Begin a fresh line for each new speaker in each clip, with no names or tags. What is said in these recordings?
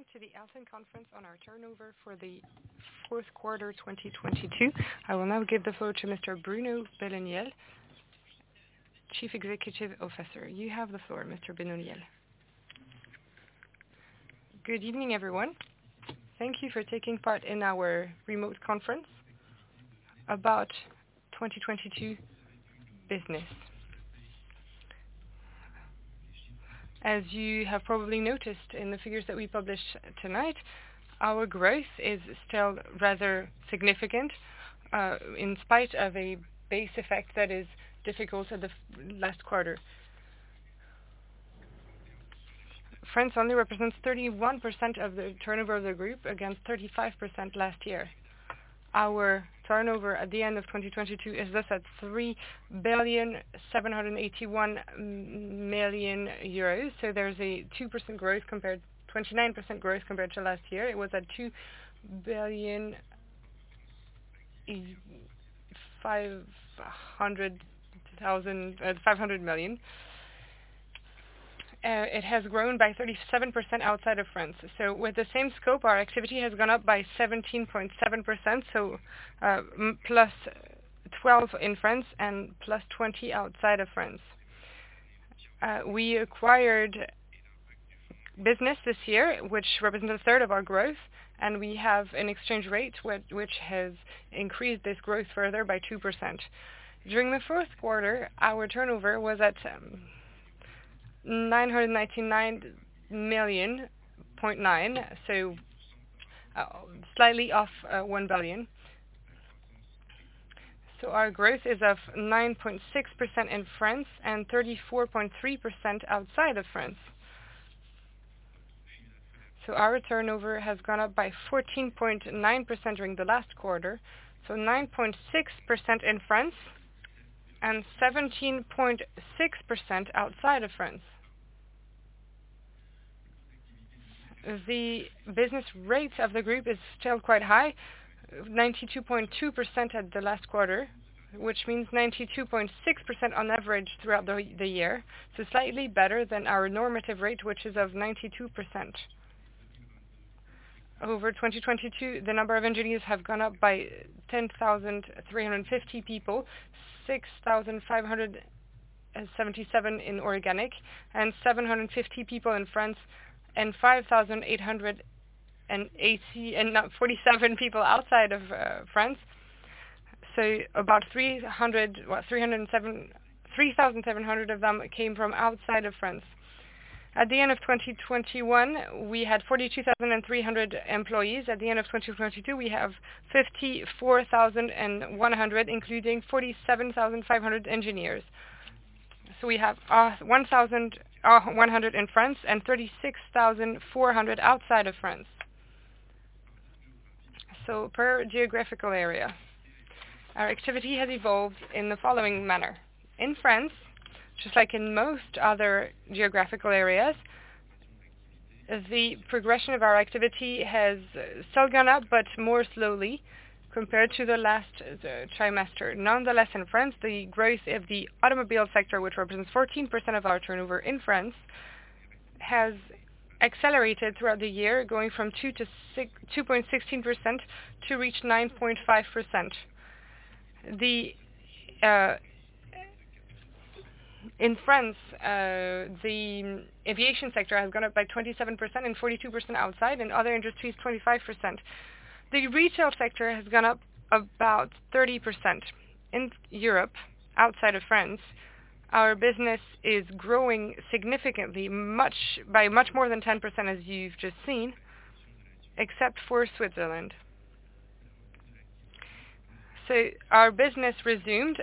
Welcome to the Alten conference on our turnover for the fourth quarter, 2022. I will now give the floor to Mr. Bruno Benoliel, Chief Executive Officer. You have the floor, Mr. Benoliel.
Good evening, everyone. Thank you for taking part in our remote conference about 2022 business. As you have probably noticed in the figures that we published tonight, our growth is still rather significant, in spite of a base effect that is difficult at the last quarter. France only represents 31% of the turnover of the group against 35% last year. Our turnover at the end of 2022 is thus at 3.781 billion euros. There's a 29% growth compared to last year. It was at 2.5 billion. It has grown by 37% outside of France. With the same scope, our activity has gone up by 17.7%. +12 in France and +20 outside of France. We acquired business this year, which represents a third of our growth, and we have an exchange rate which has increased this growth further by 2%. During the fourth quarter, our turnover was at 999.9 million, slightly off 1 billion. Our growth is of 9.6% in France and 34.3% outside of France. Our turnover has gone up by 14.9% during the last quarter, so 9.6% in France and 17.6% outside of France. The business rates of the group is still quite high, 92.2% at the last quarter, which means 92.6% on average throughout the year. Slightly better than our normative rate, which is of 92%. Over 2022, the number of engineers have gone up by 10,350 people, 6,577 in organic and 750 people in France and 5,880 and 47 people outside of France. About 3,700 of them came from outside of France. At the end of 2021, we had 42,300 employees. At the end of 2022, we have 54,100, including 47,500 engineers. We have 1,100 in France and 36,400 outside of France. Per geographical area, our activity has evolved in the following manner. In France, just like in most other geographical areas, the progression of our activity has still gone up, but more slowly compared to the last trimester. Nonetheless, in France, the growth of the automobile sector, which represents 14% of our turnover in France, has accelerated throughout the year, going from 2.16% to reach 9.5%. In France, the aviation sector has gone up by 27% and 42% outside and other industries, 25%. The retail sector has gone up about 30%. In Europe, outside of France, our business is growing significantly, by much more than 10%, as you've just seen, except for Switzerland. Our business resumed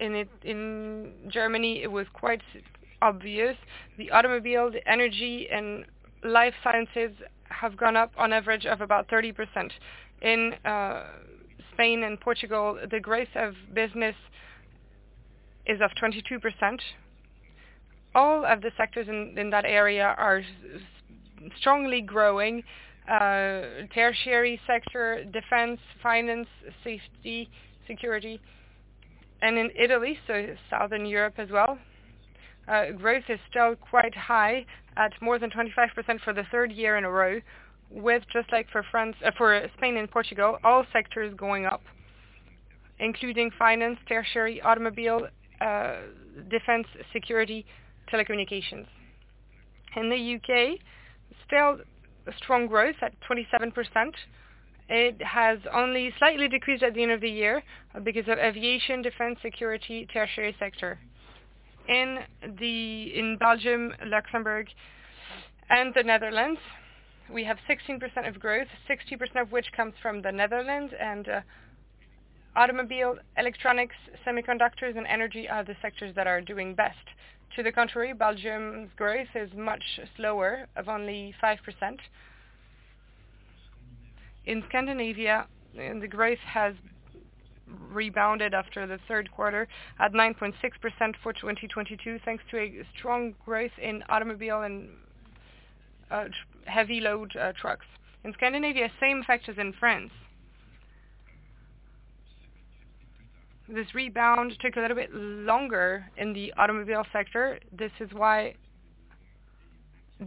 in Germany, it was quite obvious. The automobile, the energy and life sciences have gone up on average of about 30%. In Spain and Portugal, the growth of business is of 22%. All of the sectors in that area are strongly growing, tertiary sector, defense, finance, safety, security. In Italy, Southern Europe as well, growth is still quite high at more than 25% for the third year in a row with, just like for Spain and Portugal, all sectors going up, including finance, tertiary, automobile, defense, security, telecommunications. In the U.K., still strong growth at 27%. It has only slightly decreased at the end of the year because of aviation, defense, security, tertiary sector. In Belgium, Luxembourg and the Netherlands, we have 16% of growth, 60% of which comes from the Netherlands, automobile, electronics, semiconductors and energy are the sectors that are doing best. To the contrary, Belgium's growth is much slower of only 5%. In Scandinavia, the growth has rebounded after the third quarter at 9.6% for 2022, thanks to a strong growth in automobile and heavy load trucks. In Scandinavia, same factors in France. This rebound took a little bit longer in the automobile sector. This is why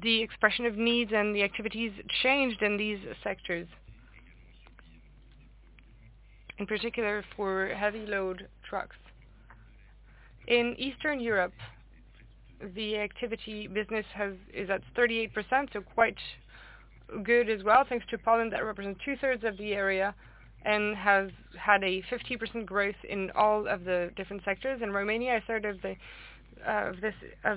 the expression of needs and the activities changed in these sectors. In particular for heavy load trucks. In Eastern Europe, the activity business is at 38%, so quite good as well, thanks to Poland that represents two-thirds of the area and has had a 50% growth in all of the different sectors. In Romania, a third of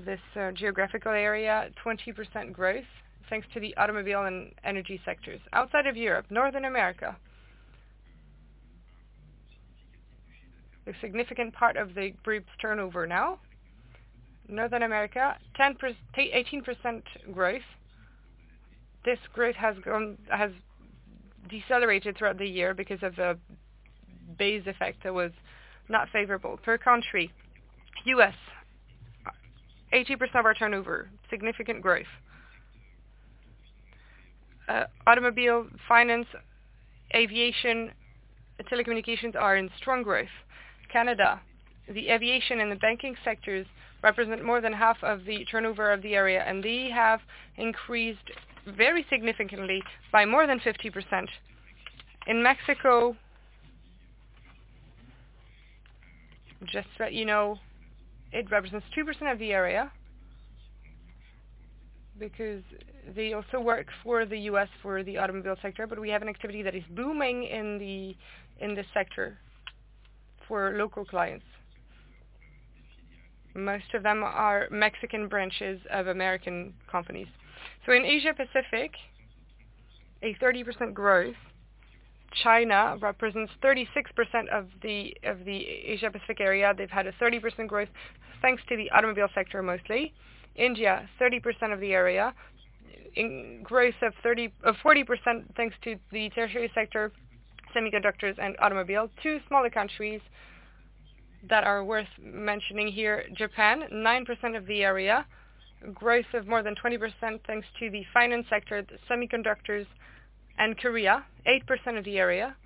this geographical area, 20% growth thanks to the automobile and energy sectors. Outside of Europe, Northern America. Northern America, 18% growth. This growth has decelerated throughout the year because of the base effect that was not favorable. Per country, U.S., 80% of our turnover, significant growth. Automobile, finance, aviation, telecommunications are in strong growth. Canada, the aviation and the banking sectors represent more than half of the turnover of the area, and they have increased very significantly by more than 50%. In Mexico. just to let you know, it represents 2% of the area, because they also work for the U.S. for the automobile sector, but we have an activity that is booming in this sector for local clients. Most of them are Mexican branches of American companies. In Asia-Pacific, a 30% growth. China represents 36% of the Asia-Pacific area. They've had a 30% growth, thanks to the automobile sector, mostly. India, 30% of the area. In growth of 40%, thanks to the tertiary sector, semiconductors and automobile. Two smaller countries that are worth mentioning here, Japan, 9% of the area. Growth of more than 20%, thanks to the finance sector, the semiconductors, and Korea, 8% of the area.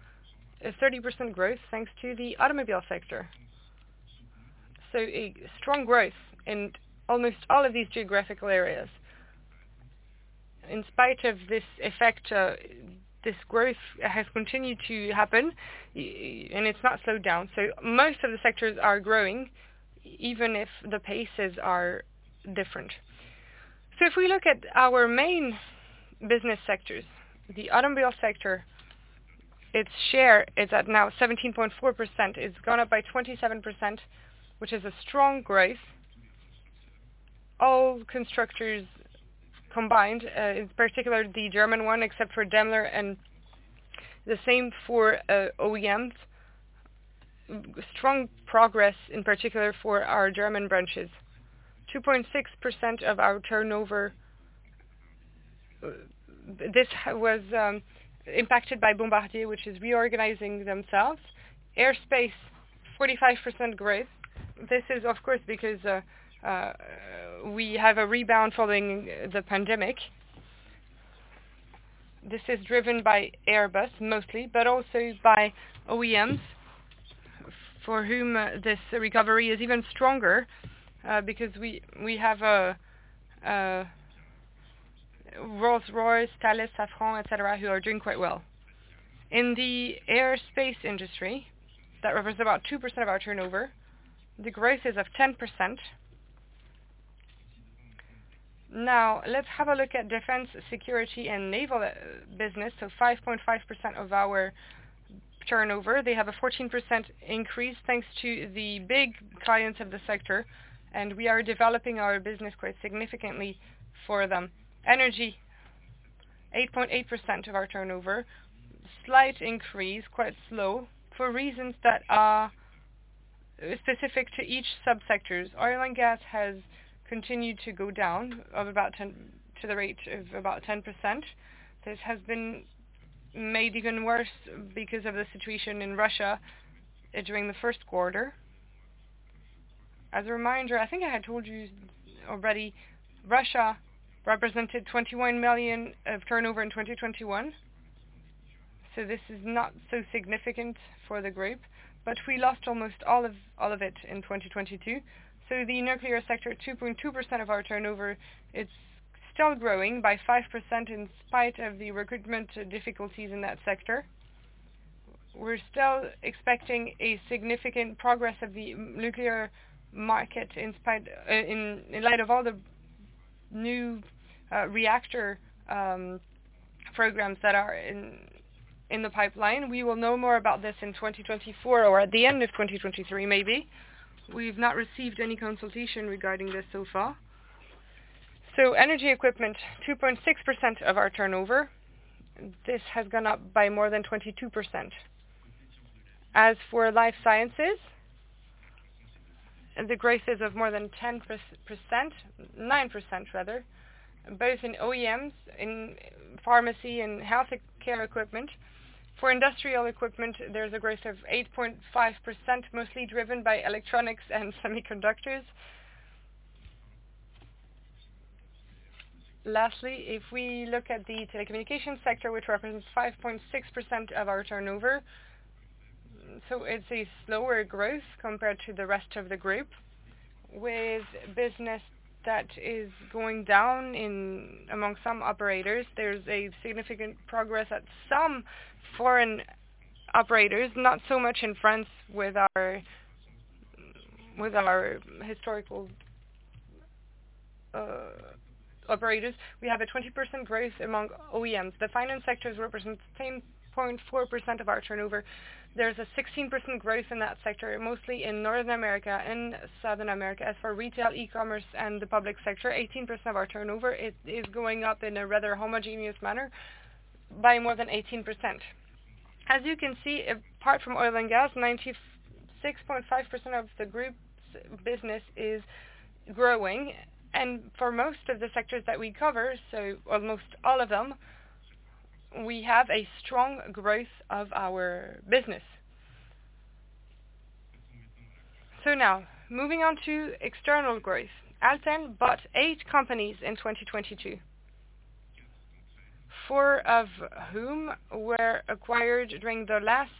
A 30% growth, thanks to the automobile sector. A strong growth in almost all of these geographical areas. In spite of this effect, this growth has continued to happen, and it's not slowed down. Most of the sectors are growing, even if the paces are different. If we look at our main business sectors, the automobile sector, its share is at now 17.4%. It's gone up by 27%, which is a strong growth. All constructors combined, in particular the German one, except for Daimler, and the same for OEMs. Strong progress, in particular for our German branches. 2.6% of our turnover, this was impacted by Bombardier, which is reorganizing themselves. Aerospace, 45% growth. This is, of course, because we have a rebound following the pandemic. This is driven by Airbus mostly, but also by OEMs, for whom this recovery is even stronger, because we have a Rolls-Royce, Thales, Safran, et cetera, who are doing quite well. In the aerospace industry, that represents about 2% of our turnover, the growth is of 10%. Let's have a look at defense, security and naval business, so 5.5% of our turnover. They have a 14% increase, thanks to the big clients of the sector, and we are developing our business quite significantly for them. Energy, 8.8% of our turnover. Slight increase, quite slow, for reasons that are specific to each sub-sectors. Oil and gas has continued to go down to the rate of about 10%. This has been made even worse because of the situation in Russia during the first quarter. As a reminder, I think I had told you already, Russia represented 21 million of turnover in 2021, so this is not so significant for the group. We lost almost all of it in 2022. The nuclear sector, 2.2% of our turnover, it's still growing by 5% in spite of the recruitment difficulties in that sector. We're still expecting a significant progress of the nuclear market in spite in light of all the new reactor programs that are in the pipeline. We will know more about this in 2024 or at the end of 2023, maybe. We've not received any consultation regarding this so far. Energy equipment, 2.6% of our turnover. This has gone up by more than 22%. As for life sciences, the growth is of more than 10%, 9% rather, both in OEMs, in pharmacy and healthcare equipment. For industrial equipment, there's a growth of 8.5%, mostly driven by electronics and semiconductors. If we look at the telecommunications sector, which represents 5.6% of our turnover, it's a slower growth compared to the rest of the group, with business that is going down among some operators. There's a significant progress at some foreign operators, not so much in France with our, with our historical operators. We have a 20% growth among OEMs. The finance sectors represent 10.4% of our turnover. There's a 16% growth in that sector, mostly in North America and Southern America. As for retail e-commerce and the public sector, 18% of our turnover is going up in a rather homogeneous manner by more than 18%. As you can see, apart from oil and gas, 96.5% of the group's business is growing. For most of the sectors that we cover, so almost all of them, we have a strong growth of our business. Now moving on to external growth. Alten bought 8 companies in 2022, 4 of whom were acquired during the last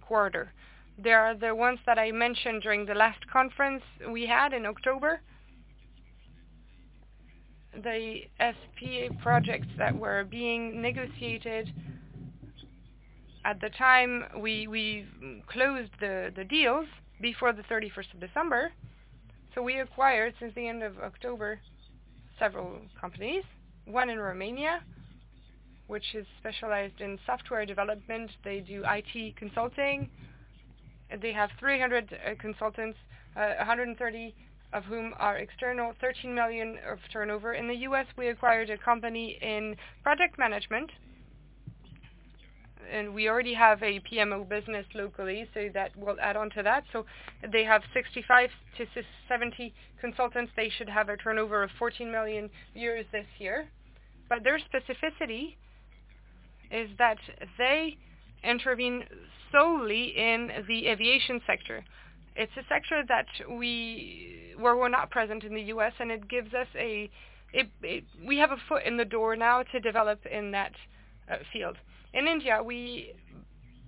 quarter. They are the ones that I mentioned during the last conference we had in October. The SPA projects that were being negotiated at the time we closed the deals before the 31st of December, we acquired, since the end of October, several companies. One in Romania, which is specialized in software development. They do IT consulting. They have 300 consultants, 130 of whom are external, 13 million of turnover. In the U.S., we acquired a company in project management, and we already have a PMO business locally, so that will add on to that. They have 65-70 consultants. They should have a turnover of 14 million this year. Their specificity is that they intervene solely in the aviation sector. It's a sector where we're not present in the U.S., and it gives us a foot in the door now to develop in that field. In India, we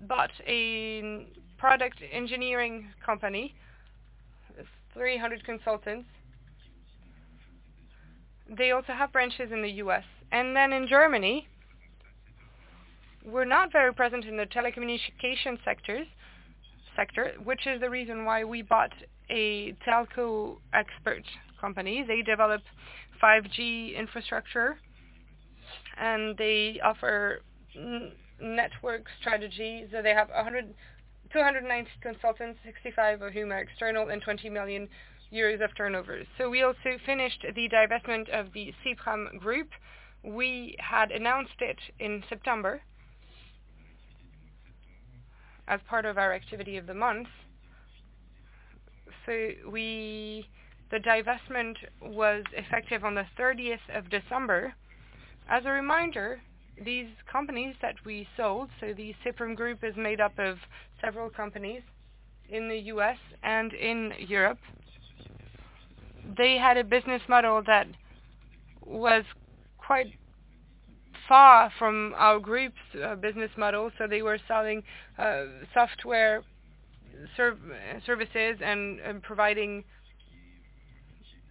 bought a product engineering company, 300 consultants. They also have branches in the U.S. In Germany, we're not very present in the telecommunication sector, which is the reason why we bought a telco expert company. They develop 5G infrastructure, and they offer network strategy. They have 290 consultants, 65 of whom are external, and 20 million euros of turnover. We also finished the divestment of the Sipram Group. We had announced it in September as part of our activity of the month. The divestment was effective on the 30th of December. As a reminder, these companies that we sold, so the Sipram Group is made up of several companies in the U.S. and in Europe. They had a business model that was quite far from our group's business model, so they were selling software services and providing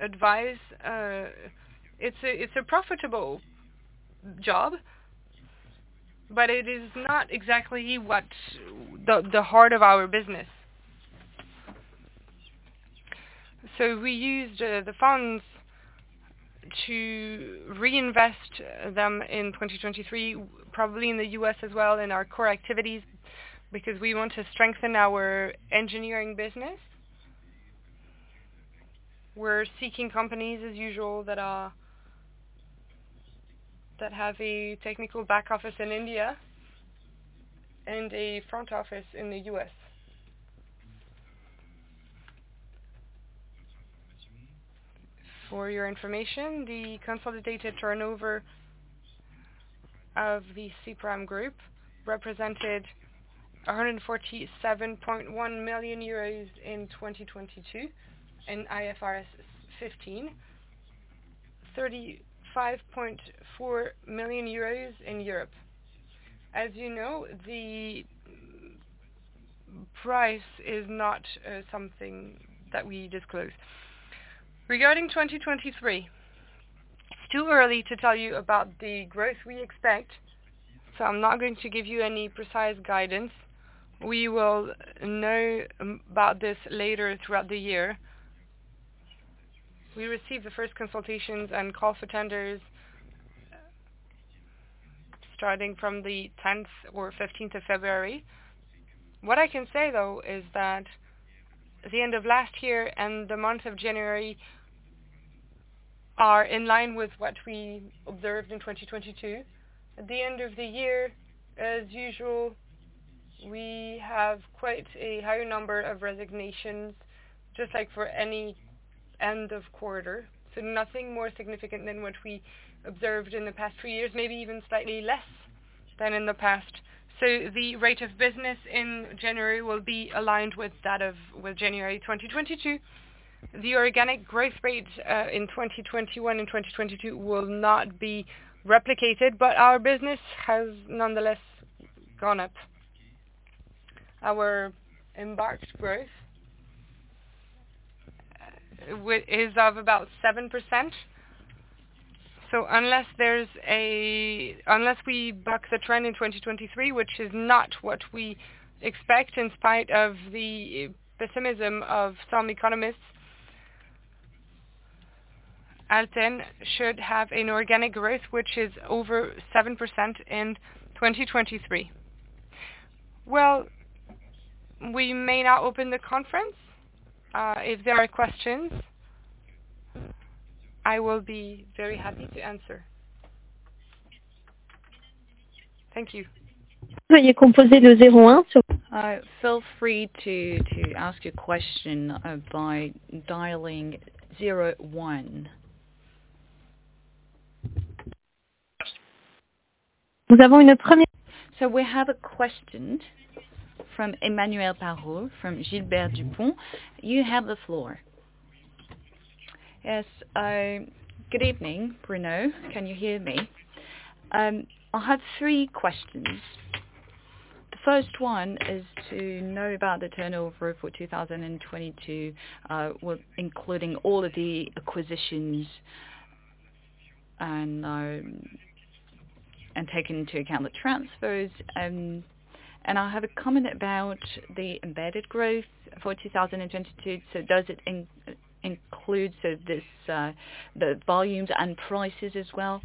advice. It's a profitable job, but it is not exactly what the heart of our business. We used the funds to reinvest them in 2023, probably in the U.S. as well, in our core activities, because we want to strengthen our engineering business. We're seeking companies, as usual, that have a technical back office in India and a front office in the U.S. For your information, the consolidated turnover of the Sipram Group represented 147.1 million euros in 2022 in IFRS 15, 35.4 million euros in Europe. As you know, the price is not something that we disclose. Regarding 2023, it's too early to tell you about the growth we expect, so I'm not going to give you any precise guidance. We will know about this later throughout the year. We received the first consultations and call for tenders starting from the 10th or 15th of February. What I can say, though, is that the end of last year and the month of January are in line with what we observed in 2022. At the end of the year, as usual, we have quite a higher number of resignations, just like for any end of quarter. So nothing more significant than what we observed in the past few years, maybe even slightly less. Than in the past. The rate of business in January will be aligned with that of January 2022. The organic growth rate in 2021 and 2022 will not be replicated, but our business has nonetheless gone up. Our embarked growth is of about 7%. Unless there's unless we buck the trend in 2023, which is not what we expect in spite of the pessimism of some economists. Alten should have an organic growth which is over 7% in 2023. Well, we may now open the conference. If there are questions, I will be very happy to answer. Thank you.
Feel free to ask your question by dialing zero one. We have a question from Emmanuel Parot from Gilbert Dupont. You have the floor.
Yes. Good evening, Bruno. Can you hear me? I have three questions. The first one is to know about the turnover for 2022, including all of the acquisitions and taking into account the transfers. I have a comment about the embedded growth for 2022. Does it include the volumes and prices as well?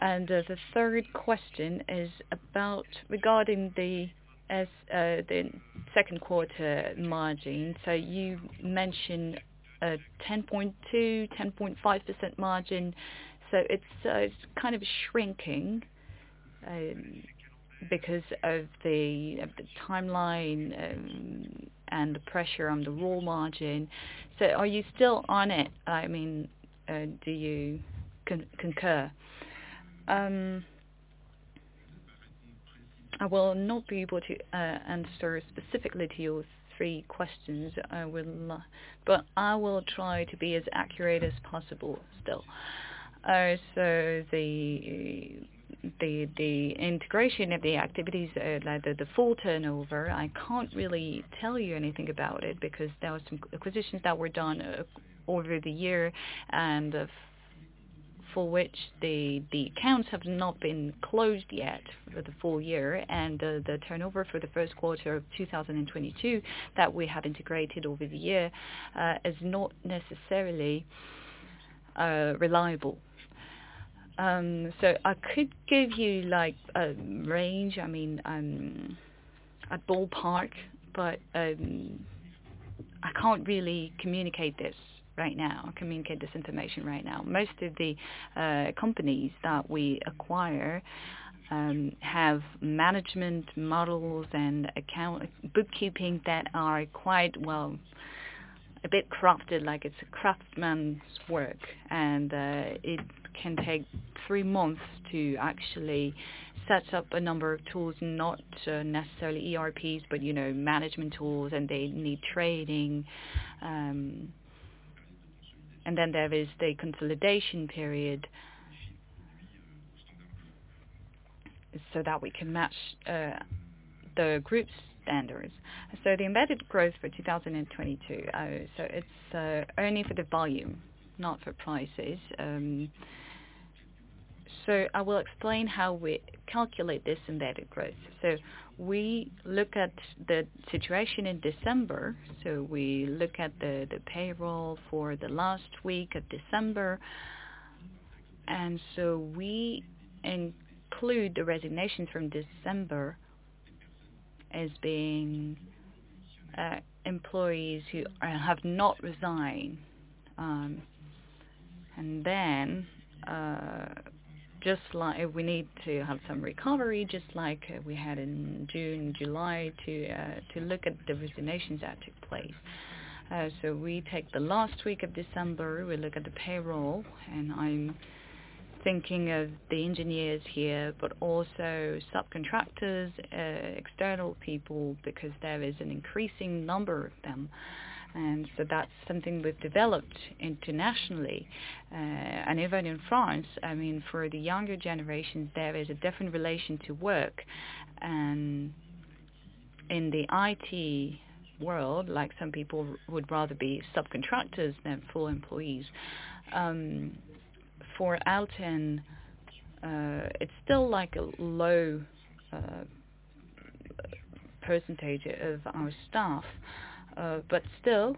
The third question is about regarding the second quarter margin. You mentioned a 10.2%-10.5% margin, it's kind of shrinking because of the timeline, and the pressure on the raw margin. Are you still on it? I mean, do you concur?
I will not be able to answer specifically to your thre questions. I will try to be as accurate as possible still. The integration of the activities, like the full turnover, I can't really tell you anything about it because there were some acquisitions that were done over the year and for which the accounts have not been closed yet for the full year. The turnover for the first quarter of 2022 that we have integrated over the year is not necessarily reliable. I could give you like a range, I mean, a ballpark, but I can't really communicate this information right now. Most of the companies that we acquire have management models and bookkeeping that are quite, well, a bit crafted, like it's craftsman's work. It can take three months to actually set up a number of tools, not necessarily ERPs, but you know, management tools, and they need training. There is the consolidation period so that we can match the group's standards. The embedded growth for 2022, only for the volume, not for prices. I will explain how we calculate this embedded growth. We look at the situation in December. We look at the payroll for the last week of December. We include the resignations from December as being employees who have not resigned. Just like we need to have some recovery, just like we had in June, July, to look at the resignations that took place. We take the last week of December, we look at the payroll, and I'm thinking of the engineers here, but also subcontractors, external people, because there is an increasing number of them. That's something we've developed internationally. Even in France, I mean, for the younger generation, there is a different relation to work. In the IT world, like some people would rather be subcontractors than full employees. For Alten, it's still like a low percentage of our staff. Still,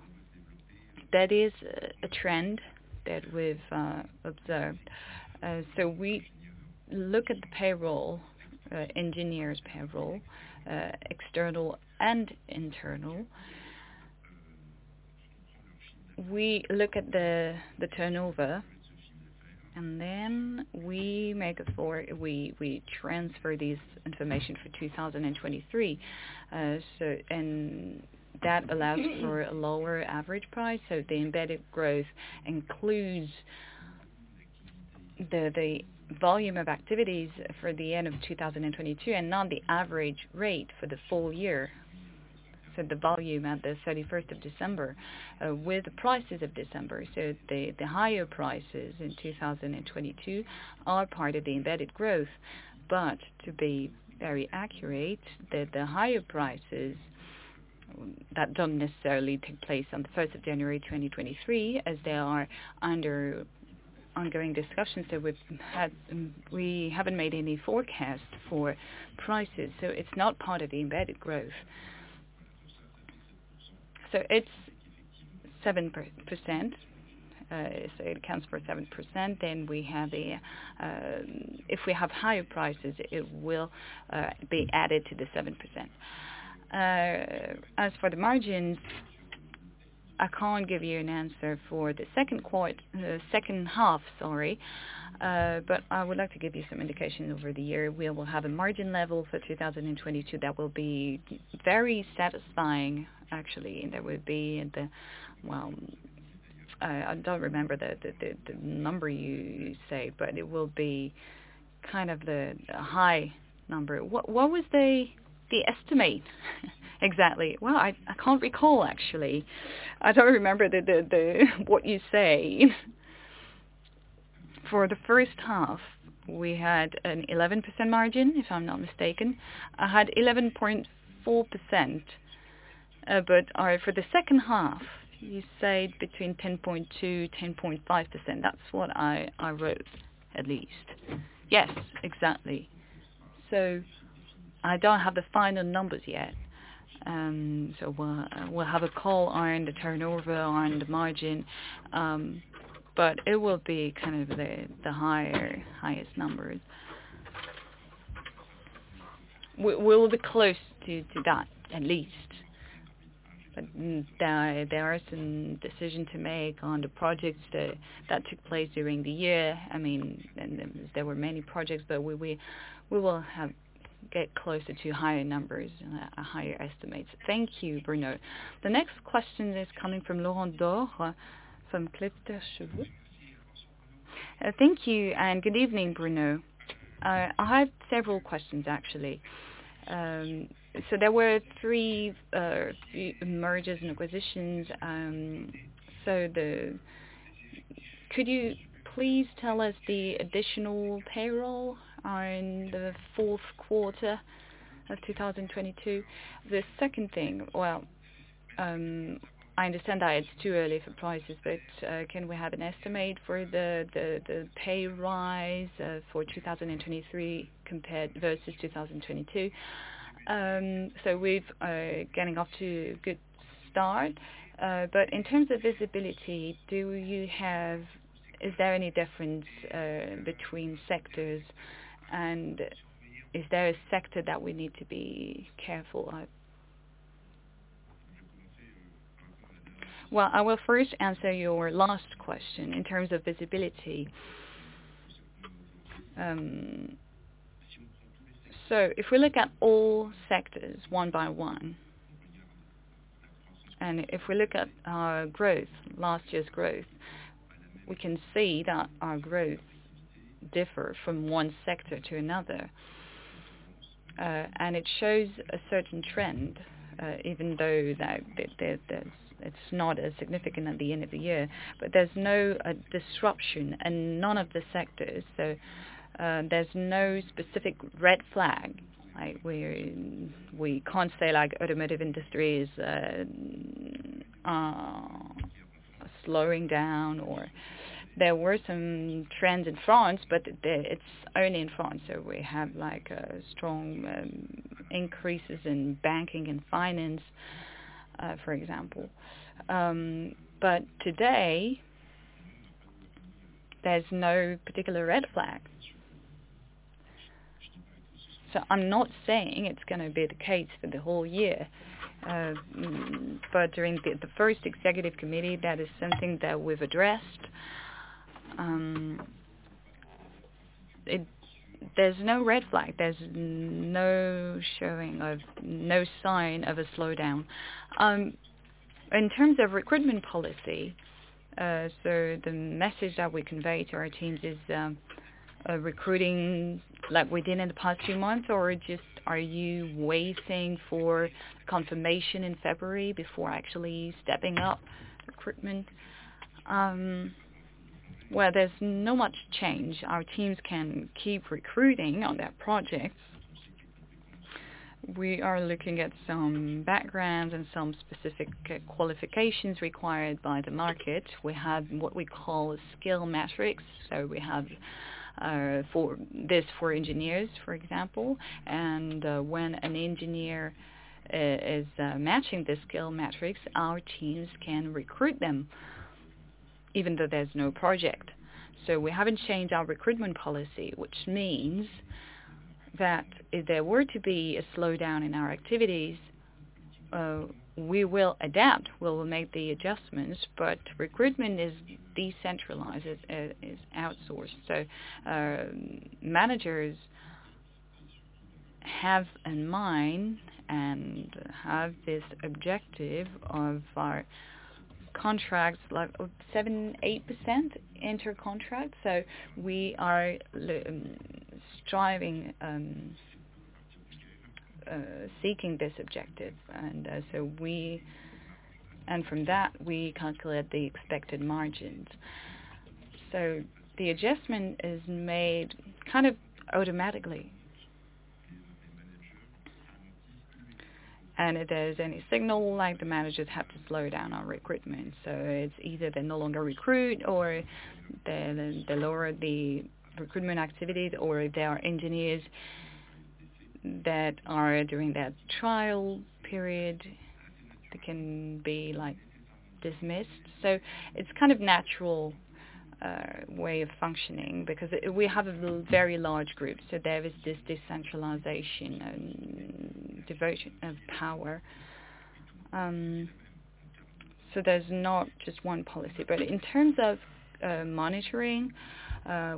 that is a trend that we've observed. We look at the payroll, engineers' payroll, external and internal. We look at the turnover, then we transfer this information for 2023. That allows for a lower average price. The embedded growth includes the volume of activities for the end of 2022 and not the average rate for the full year. The volume at the 31st of December, with prices of December, the higher prices in 2022 are part of the embedded growth. To be very accurate, the higher prices that don't necessarily take place on the 1st of January 2023 as they are under ongoing discussions that we've had. We haven't made any forecast for prices, it's not part of the embedded growth. It's 7%. It accounts for 7%. We have. If we have higher prices, it will be added to the 7%. As for the margins, I can't give you an answer for the 2Q, second half, sorry. I would like to give you some indication over the year. We will have a margin level for 2022 that will be very satisfying actually, and that would be at the. Well, I don't remember the number you say, but it will be kind of the high number.
What was the estimate exactly?
Well, I can't recall actually. I don't remember the what you say. For the first half, we had an 11% margin, if I'm not mistaken. I had 11.4%. For the second half, you say between 10.2%-10.5%. That's what I wrote at least. Yes, exactly. I don't have the final numbers yet. We'll have a call on the turnover, on the margin. It will be kind of the higher, highest numbers. We'll be close to that, at least. There are some decisions to make on the projects that took place during the year. I mean, there were many projects, we will have get closer to higher numbers and higher estimates.
Thank you, Bruno.
The next question is coming from Laurent Daure from Kepler Cheuvreu.
Thank you, good evening, Bruno. I have several questions actually. There were three mergers and acquisitions. Could you please tell us the additional payroll on the 4th quarter of 2022? The second thing, well, I understand that it's too early for prices, but can we have an estimate for the pay rise for 2023 compared versus 2022? we've getting off to a good start. In terms of visibility, is there any difference between sectors, and is there a sector that we need to be careful of?
Well, I will first answer your last question in terms of visibility. If we look at all sectors one by one, and if we look at our growth, last year's growth, we can see that our growth differ from one sector to another. It shows a certain trend, even though that it's not as significant at the end of the year. There's no disruption in none of the sectors. There's no specific red flag. Like we can't say like automotive industry is slowing down, or there were some trends in France, but it's only in France. We have like a strong increases in banking and finance, for example. Today, there's no particular red flags. I'm not saying it's gonna be the case for the whole year. During the first executive committee, that is something that we've addressed. There's no red flag. There's no sign of a slowdown. In terms of recruitment policy, the message that we convey to our teams is recruiting like we did in the past few months, or just are you waiting for confirmation in February before actually stepping up recruitment? Well, there's not much change. Our teams can keep recruiting on their projects. We are looking at some background and some specific qualifications required by the market. We have what we call skills matrix. We have for this, for engineers, for example. When an engineer is matching the skills matrix, our teams can recruit them even though there's no project. We haven't changed our recruitment policy, which means that if there were to be a slowdown in our activities, we will adapt. We'll make the adjustments. Recruitment is decentralized. It is outsourced. Managers have in mind and have this objective of our contracts like 7%-8% inter-contract. We are striving seeking this objective. From that, we calculate the expected margins. The adjustment is made kind of automatically. If there's any signal, like the managers have to slow down our recruitment, so it's either they no longer recruit or they lower the recruitment activities, or if there are engineers that are during their trial period, they can be, like, dismissed. It's kind of natural way of functioning because we have a very large group. There is this decentralization and devotion of power. There's not just one policy. In terms of monitoring,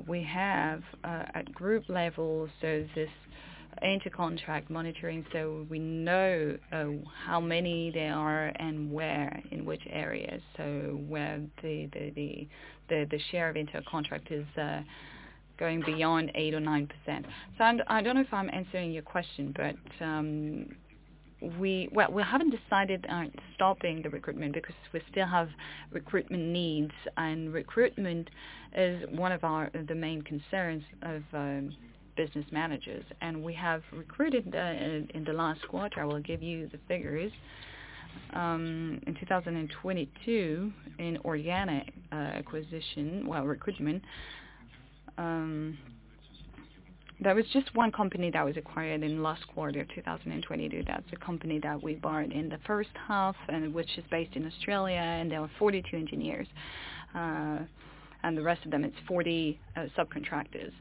we have at group level this inter-contract monitoring, we know how many there are and where, in which areas. Where the share of inter-contract is going beyond 8% or 9%. I don't know if I'm answering your question. Well, we haven't decided on stopping the recruitment because we still have recruitment needs. recruitment is one of the main concerns of business managers. we have recruited in the last quarter. I will give you the figures. in 2022, in organic acquisition, well, recruitment, there was just one company that was acquired in last quarter 2022. That's a company that we bought in the first half which is based in Australia, there were 42 engineers. the rest of them, it's 40 subcontractors.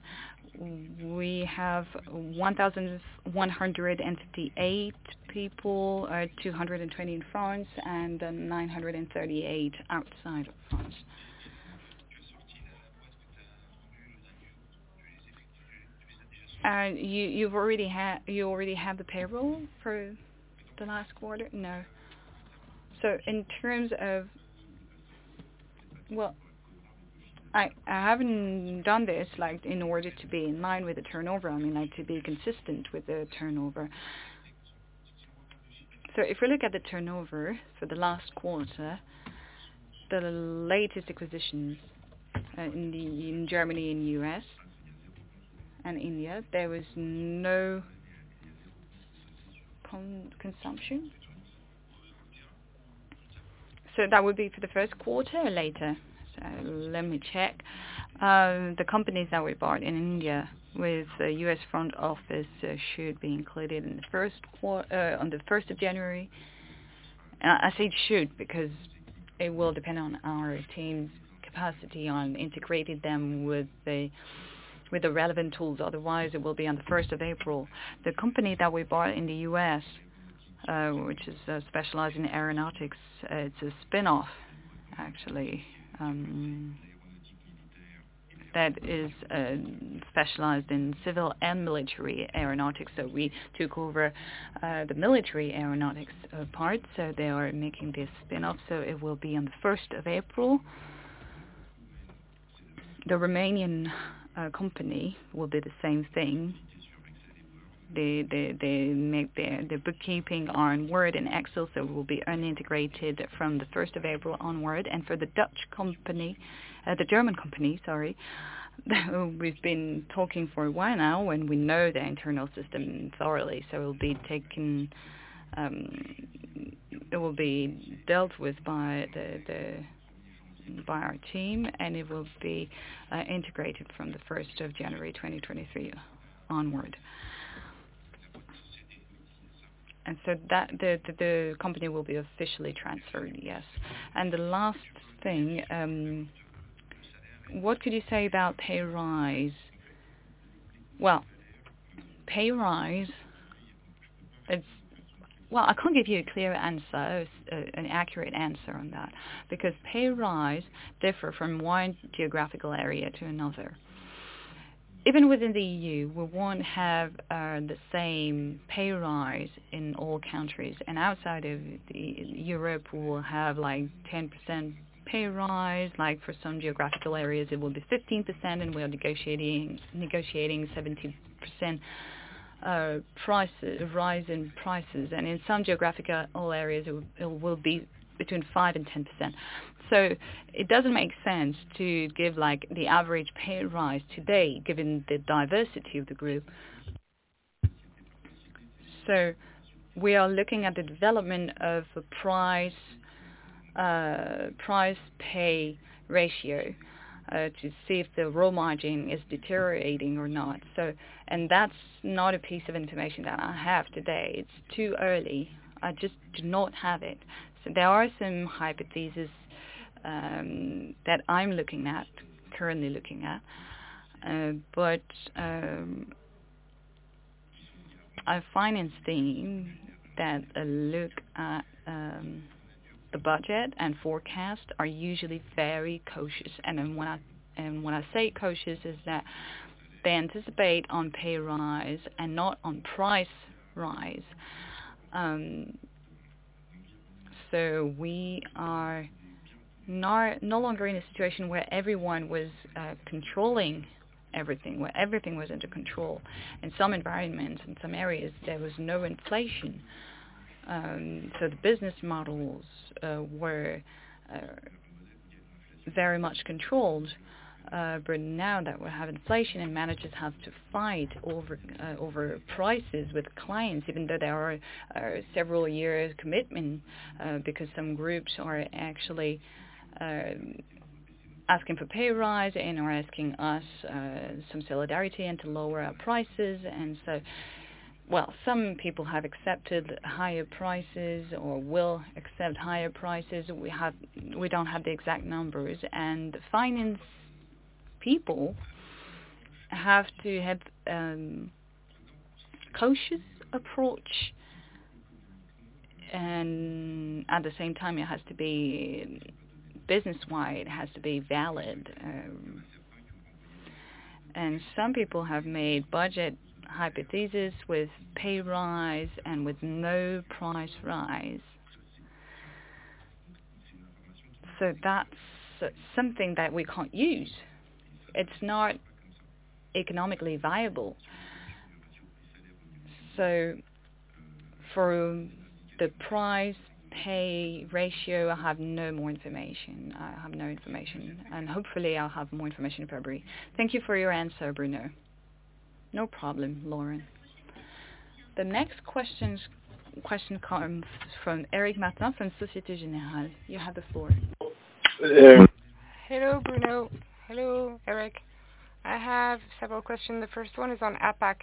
we have 1,158 people, 220 in France, 938 outside of France.
You already have the payroll for the last quarter?
No. I haven't done this, like, in order to be in line with the turnover. I mean, like, to be consistent with the turnover. If we look at the turnover for the last quarter, the latest acquisitions in Germany and U.S. and India, there was no consumption.
That would be for the first quarter or later?
Let me check. The companies that we bought in India with the U.S. front office should be included on the first of January. I said should because it will depend on our team's capacity on integrating them with the, with the relevant tools. Otherwise, it will be on the first of April. The company that we bought in the U.S., which is specialized in aeronautics, it's a spinoff actually, that is specialized in civil and military aeronautics. We took over the military aeronautics part, so they are making this spinoff. It will be on the first of April. The Romanian company will do the same thing. The bookkeeping are in Word and Excel, it will be only integrated from the first of April onward. For the Dutch company, the German company, sorry, we've been talking for a while now, and we know their internal system thoroughly. It'll be taken, it will be dealt with by our team, and it will be integrated from the first of January 2023 onward. The company will be officially transferred, yes. The last thing, what could you say about pay rise? Well, pay rise, Well, I can't give you a clear answer, an accurate answer on that, because pay rise differ from one geographical area to another. Even within the EU, we won't have the same pay rise in all countries. Outside of Europe, we'll have, like, 10% pay rise. Like, for some geographical areas it will be 15%, and we are negotiating 17% rise in prices. In some geographical areas it will be between 5% and 10%. It doesn't make sense to give, like, the average pay rise today given the diversity of the group. We are looking at the development of a price pay ratio to see if the raw margin is deteriorating or not. That's not a piece of information that I have today. It's too early. I just do not have it. There are some hypothesis that I'm looking at, currently looking at. But our finance team that look at The budget and forecast are usually very cautious. When I say cautious is that they anticipate on pay rise and not on price rise. We are no longer in a situation where everyone was controlling everything, where everything was under control. In some environments, in some areas, there was no inflation, so the business models were very much controlled. But now that we have inflation and managers have to fight over prices with clients, even though there are several years commitment, because some groups are actually asking for pay rise and are asking us some solidarity and to lower our prices. Well, some people have accepted higher prices or will accept higher prices. We don't have the exact numbers. Finance people have to have cautious approach and at the same time, it has to be business-wide, it has to be valid. Some people have made budget hypothesis with pay rise and with no price rise. That's something that we can't use. It's not economically viable. For the price pay ratio, I have no more information. I have no information, and hopefully I'll have more information in February.
Thank you for your answer, Bruno.
No problem, Laurent.
The next question comes from Éric Martin from Société Générale. You have the floor.
Hello, Bruno.
Hello, Eric.
I have several questions. The first one is on APAC.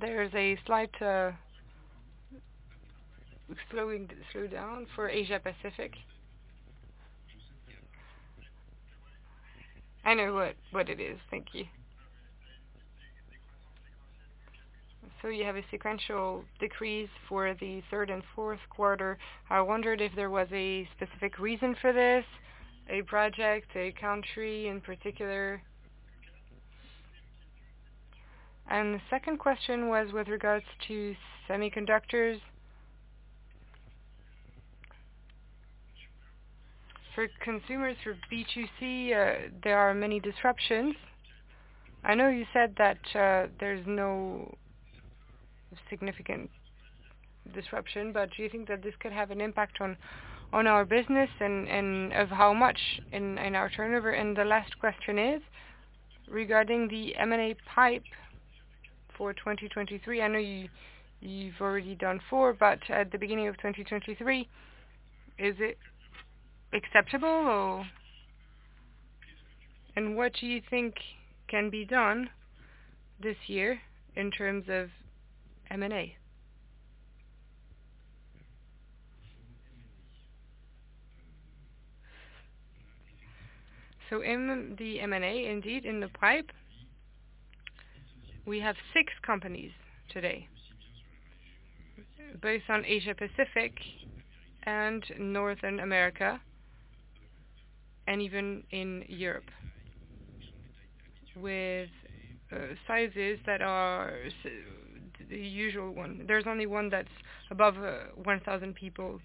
There is a slight slowdown for Asia-Pacific. I know what it is. Thank you. You have a sequential decrease for the third and fourth quarter. I wondered if there was a specific reason for this, a project, a country in particular. The second question was with regards to semiconductors. For consumers, for B2C, there are many disruptions. I know you said that there's no significant disruption, but do you think that this could have an impact on our business and of how much in our turnover? The last question is regarding the M&A pipe for 2023. I know you've already done four, but at the beginning of 2023, is it acceptable or. What do you think can be done this year in terms of M&A?
In the M&A, indeed, in the pipe, we have six companies today, both on Asia-Pacific and Northern America, and even in Europe, with sizes that are the usual one. There's only one that's above 1,000 people,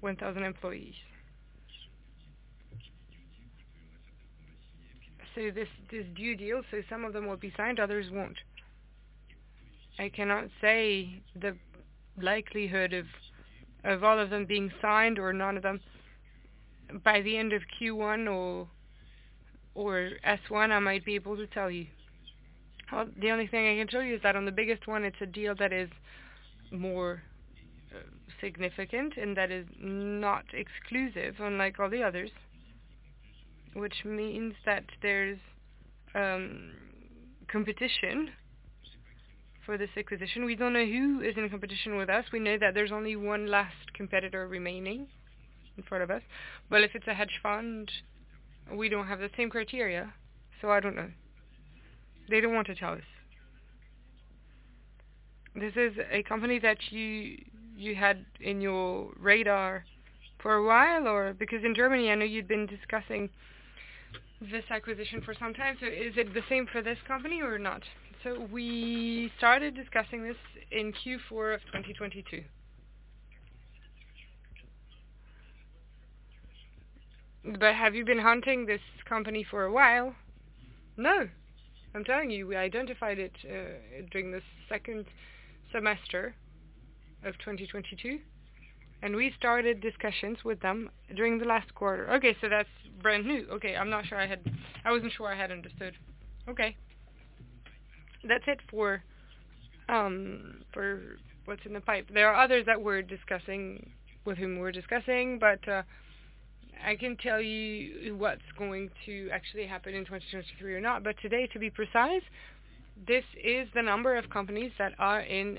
1,000 employees. This new deal, some of them will be signed, others won't. I cannot say the likelihood of all of them being signed or none of them by the end of Q1 or S1, I might be able to tell you. The only thing I can tell you is that on the biggest one, it's a deal that is more significant and that is not exclusive unlike all the others, which means that there's competition for this acquisition. We don't know who is in competition with us. We know that there's only one last competitor remaining in front of us. Well, if it's a hedge fund, we don't have the same criteria. I don't know. They don't want to tell us.
This is a company that you had in your radar for a while, or? In Germany, I know you've been discussing this acquisition for some time. Is it the same for this company or not?
We started discussing this in Q4 of 2022.
Have you been hunting this company for a while?
No. I'm telling you, we identified it, during the second semester of 2022. We started discussions with them during the last quarter.
Okay. That's brand new. Okay. I wasn't sure I had understood. Okay.
That's it for for what's in the pipe. There are others that we're discussing, with whom we're discussing, but I can tell you what's going to actually happen in 2023 or not. Today, to be precise, this is the number of companies that are in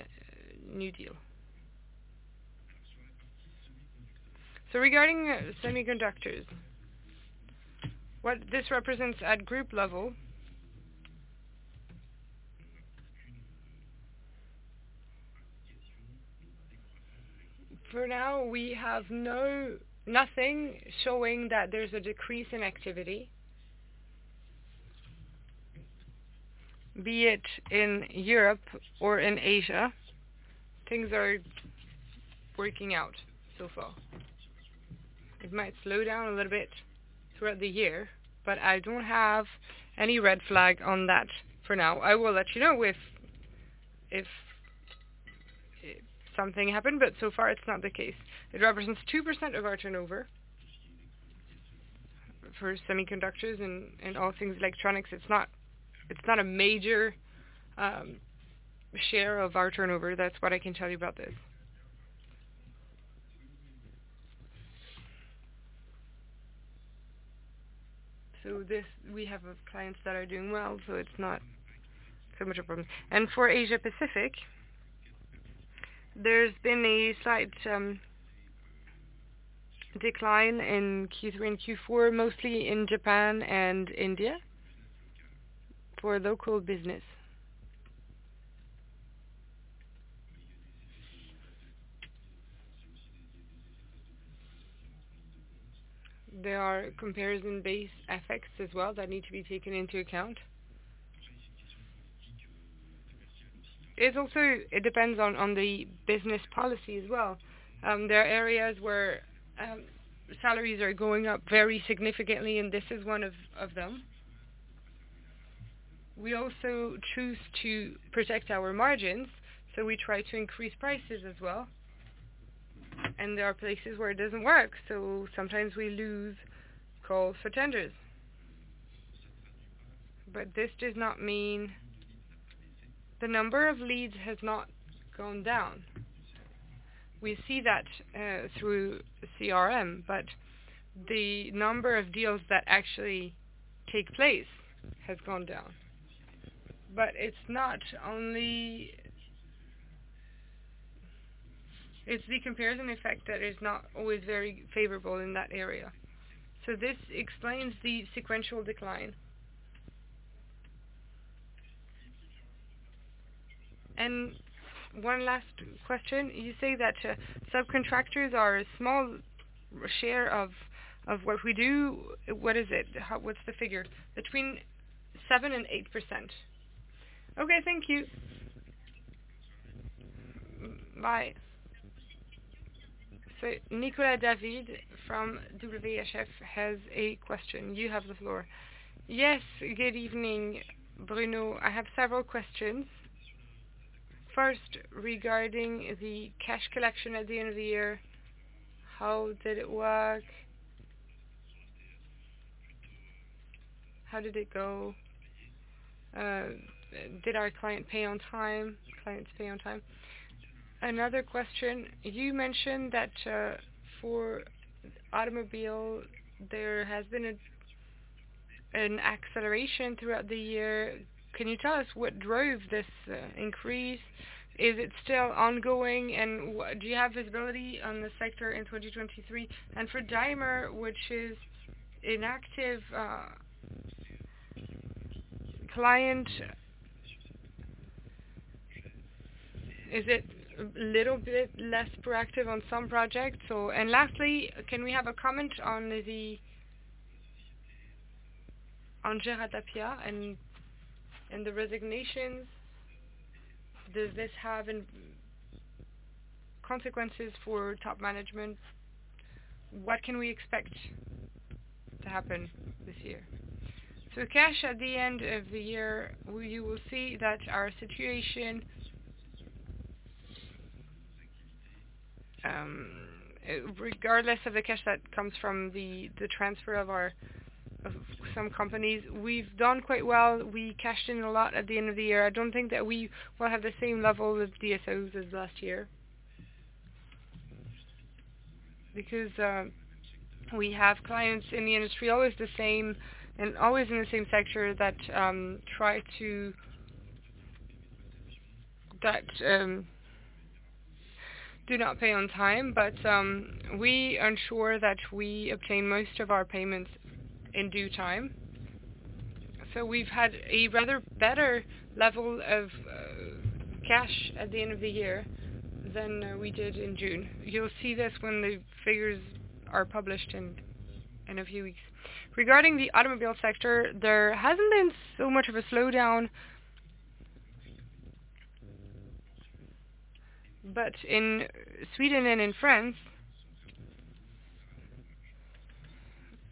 New Deal.
Regarding semiconductors, what this represents at group level
For now, we have nothing showing that there's a decrease in activity. Be it in Europe or in Asia, things are working out so far. It might slow down a little bit throughout the year, I don't have any red flag on that for now. I will let you know if something happened, but so far it's not the case. It represents 2% of our turnover. For semiconductors and all things electronics, it's not, it's not a major share of our turnover. That's what I can tell you about this. This, we have clients that are doing well, so it's not so much a problem. For Asia Pacific, there's been a slight decline in Q3 and Q4, mostly in Japan and India for local business. There are comparison-based effects as well that need to be taken into account. It depends on the business policy as well. There are areas where salaries are going up very significantly, this is one of them. We also choose to protect our margins, we try to increase prices as well. There are places where it doesn't work, sometimes we lose calls for tenders. This does not mean the number of leads has not gone down. We see that through CRM, the number of deals that actually take place has gone down. It's the comparison effect that is not always very favorable in that area. This explains the sequential decline.
One last question. You say that subcontractors are a small share of what we do. What is it? What's the figure?
Between 7%-8%.
Okay, thank you. Bye.
Nicolas David from ODDO BHF has a question. You have the floor.
Yes, good evening, Bruno. I have several questions. First, regarding the cash collection at the end of the year, how did it work? How did it go? Did our clients pay on time? Another question, you mentioned that for automobile, there has been an acceleration throughout the year. Can you tell us what drove this increase? Is it still ongoing, and do you have visibility on the sector in 2023? For Daimler, which is inactive client, is it a little bit less proactive on some projects, or? Lastly, can we have a comment on the Gérald Attia and the resignations? Does this have consequences for top management? What can we expect to happen this year?
Cash at the end of the year, we will see that our situation, regardless of the cash that comes from the transfer of some companies. We've done quite well. We cashed in a lot at the end of the year. I don't think that we will have the same level of DSOs as last year. We have clients in the industry, always the same and always in the same sector that do not pay on time. We ensure that we obtain most of our payments in due time. We've had a rather better level of cash at the end of the year than we did in June. You'll see this when the figures are published in a few weeks. Regarding the automobile sector, there hasn't been so much of a slowdown. In Sweden and in France,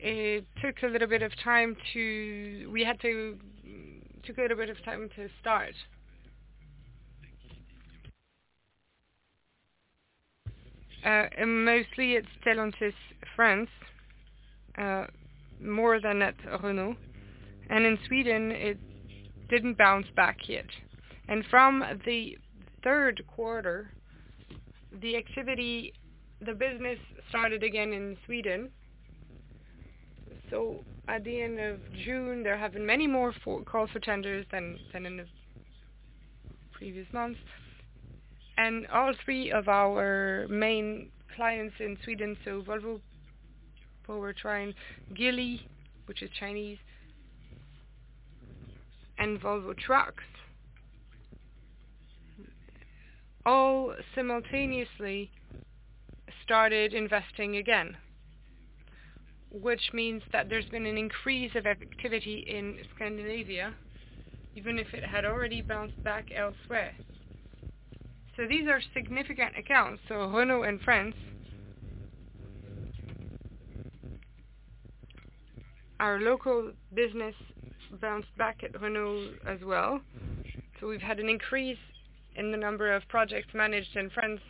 it took a little bit of time to start. Mostly it's Stellantis France, more than at Renault. In Sweden, it didn't bounce back yet. From the third quarter, the activity, the business started again in Sweden. At the end of June, there have been many more calls for tenders than in the previous months. All three of our main clients in Sweden, so Volvo, Farizon, Geely, which is Chinese and Volvo Trucks all simultaneously started investing again, which means that there's been an increase of activity in Scandinavia, even if it had already bounced back elsewhere. These are significant accounts. Renault in France. Our local business bounced back at Renault as well. We've had an increase in the number of projects managed in France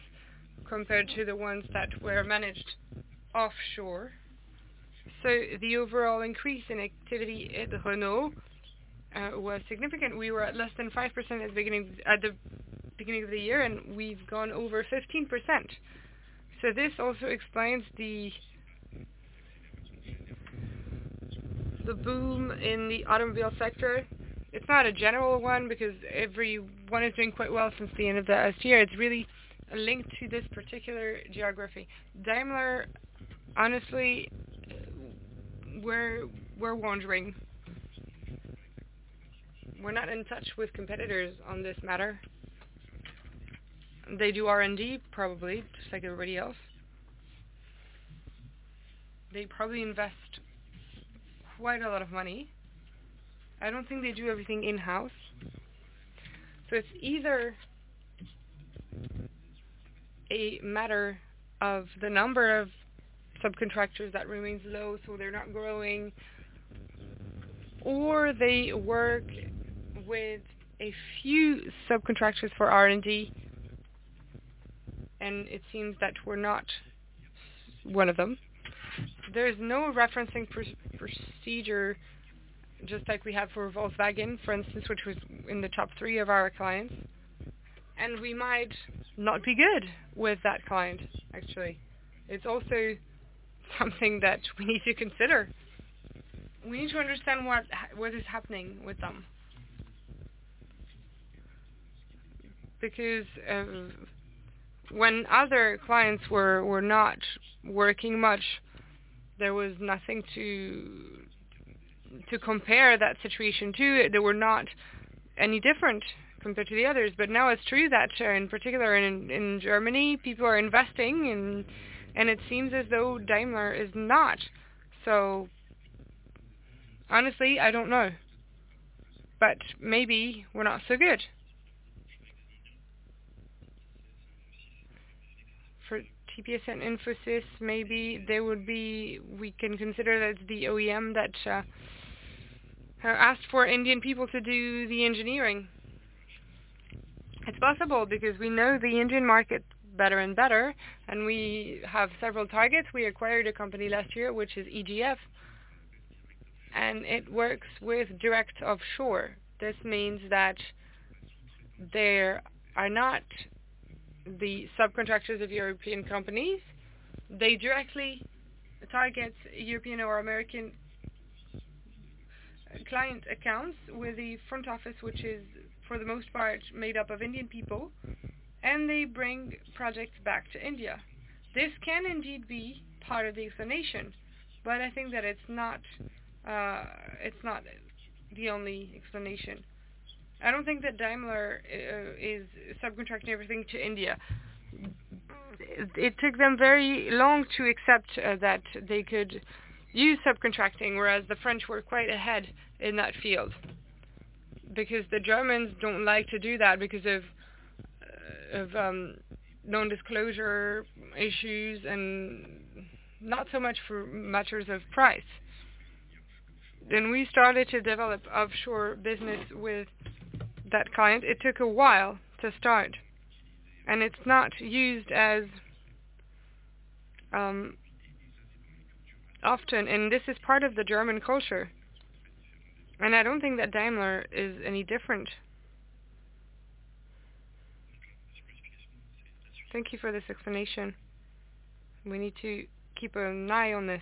compared to the ones that were managed offshore. The overall increase in activity at Renault was significant. We were at less than 5% at the beginning, at the beginning of the year, and we've gone over 15%. This also explains the boom in the automobile sector. It's not a general one because every one is doing quite well since the end of last year. It's really linked to this particular geography. Daimler, honestly, we're wondering. We're not in touch with competitors on this matter. They do R&D, probably just like everybody else. They probably invest quite a lot of money. I don't think they do everything in-house. It's either a matter of the number of subcontractors that remains low, so they're not growing, or they work with a few subcontractors for R&D, and it seems that we're not one of them. There is no referencing pro-procedure just like we have for Volkswagen, for instance, which was in the top three of our clients. We might not be good with that client, actually. It's also something that we need to consider. We need to understand what is happening with them. When other clients were not working much, there was nothing to compare that situation to. They were not any different compared to the others. Now it's true that in particular in Germany, people are investing and it seems as though Daimler is not. Honestly, I don't know. Maybe we're not so good. For TPS and Infosys, maybe we can consider that the OEM that asked for Indian people to do the engineering. It's possible because we know the Indian market better and better, and we have several targets. We acquired a company last year, which is EDF, and it works with direct offshore. This means that they are not the subcontractors of European companies. They directly target European or American client accounts with the front office, which is for the most part made up of Indian people, and they bring projects back to India. This can indeed be part of the explanation, but I think that it's not, it's not the only explanation. I don't think that Daimler is subcontracting everything to India. It took them very long to accept that they could use subcontracting, whereas the French were quite ahead in that field. The Germans don't like to do that because of non-disclosure issues and not so much for matters of price. When we started to develop offshore business with that client, it took a while to start. It's not used as often. This is part of the German culture. I don't think that Daimler is any different. Thank you for this explanation. We need to keep an eye on this.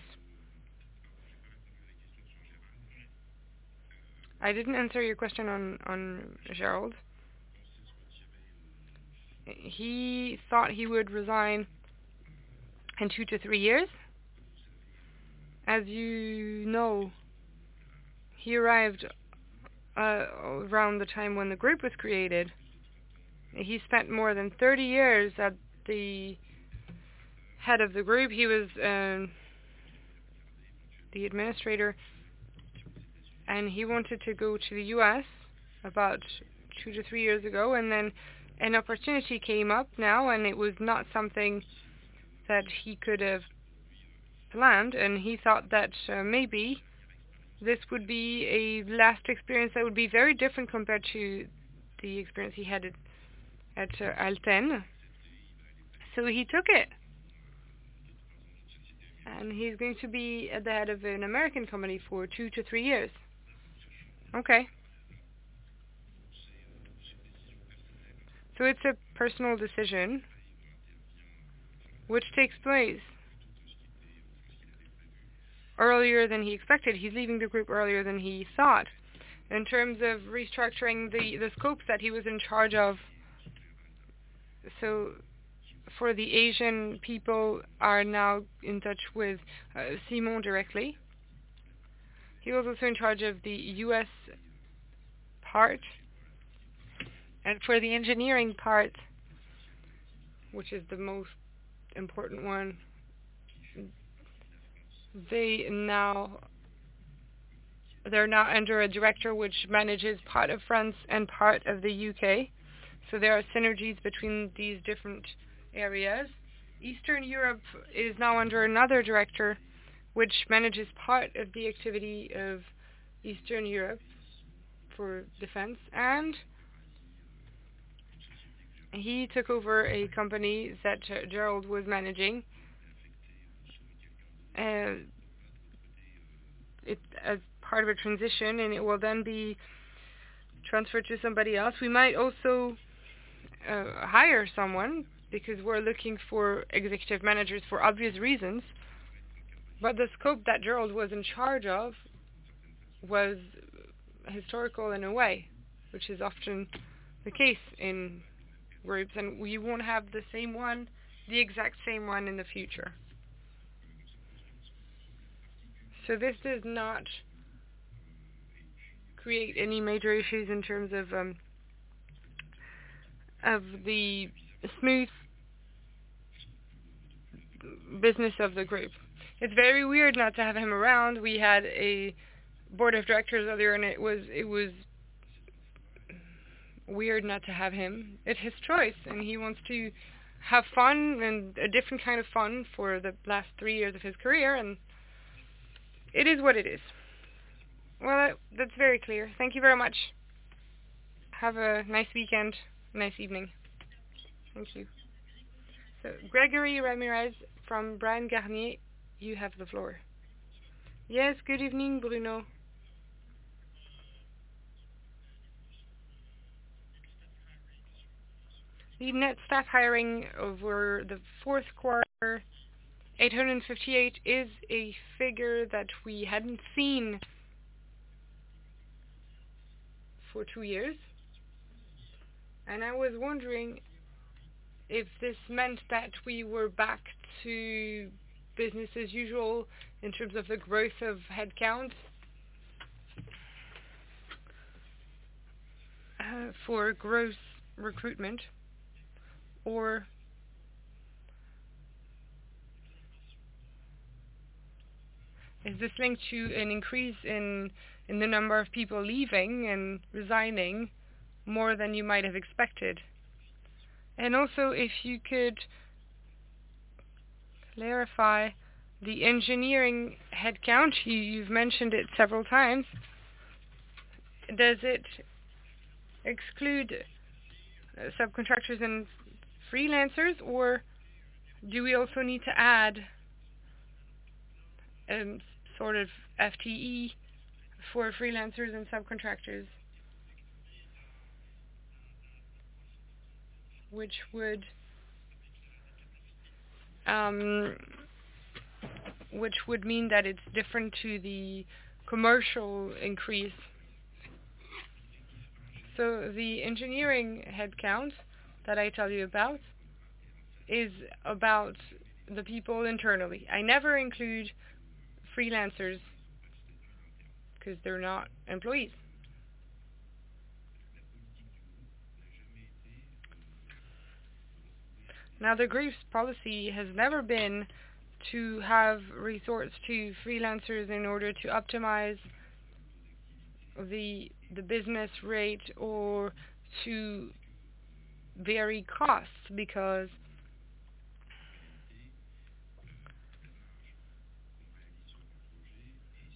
I didn't answer your question on Gérald. He thought he would resign in two to three years. As you know, he arrived around the time when the group was created. He spent more than 30 years at the head of the group. He was the administrator. He wanted to go to the U.S. about two to three years ago. It was not something that he could have planned, and he thought that maybe this would be a last experience that would be very different compared to the experience he had at Alten. He took it. He's going to be the head of an American company for two to three years.
Okay.
It's a personal decision which takes place earlier than he expected. He's leaving the group earlier than he thought. In terms of restructuring the scopes that he was in charge of. For the Asian people are now in touch with Simon directly. He was also in charge of the U.S. part. For the engineering part, which is the most important one, they're now under a director, which manages part of France and part of the U.K. There are synergies between these different areas. Eastern Europe is now under another director, which manages part of the activity of Eastern Europe for defense. He took over a company that Gérald was managing as part of a transition, and it will then be transferred to somebody else. We might also hire someone because we're looking for executive managers for obvious reasons. The scope that Gérald was in charge of was historical in a way, which is often the case in groups, and we won't have the same one, the exact same one in the future. This does not create any major issues in terms of the smooth business of the group. It's very weird not to have him around. We had a board of directors the other, and it was weird not to have him. It's his choice, and he wants to have fun and a different kind of fun for the last three years of his career, and it is what it is.
Well, that's very clear. Thank you very much. Have a nice weekend. Nice evening.
Thank you.
Grégory Ramirez from Bryan Garnier, you have the floor.
Good evening, Bruno. The net staff hiring over the fourth quarter, 858 is a figure that we hadn't seen for two years, and I was wondering if this meant that we were back to business as usual in terms of the growth of headcount, for growth recruitment. Is this linked to an increase in the number of people leaving and resigning more than you might have expected? Also, if you could clarify the engineering headcount, you've mentioned it several times. Does it exclude subcontractors and freelancers, or do we also need to add a sort of FTE for freelancers and subcontractors? Which would mean that it's different to the commercial increase.
The engineering headcount that I tell you about is about the people internally. I never include freelancers because they're not employees. The group's policy has never been to have resource to freelancers in order to optimize the business rate or to vary costs, because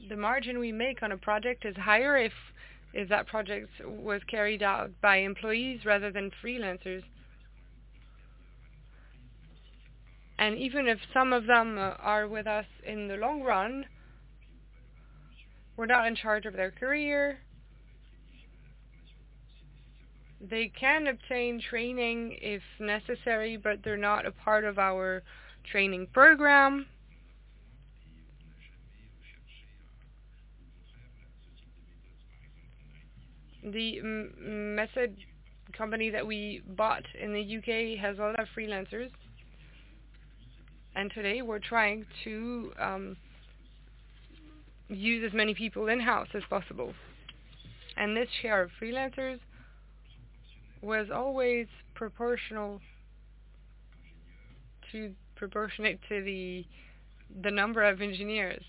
the margin we make on a project is higher if that project was carried out by employees rather than freelancers. Even if some of them are with us in the long run, we're not in charge of their career. They can obtain training if necessary, but they're not a part of our training program. The Methods company that we bought in the U.K. has a lot of freelancers, today we're trying to use as many people in-house as possible. This year, our freelancers was always proportionate to the number of engineers.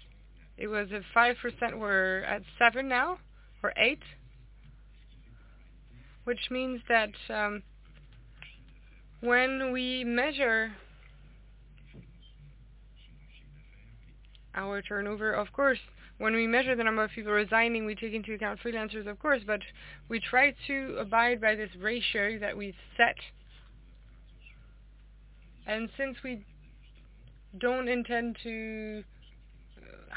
It was at 5%. We're at seven now or eight, which means that when we measure our turnover, of course, when we measure the number of people resigning, we take into account freelancers, of course, but we try to abide by this ratio that we've set. Since we don't intend to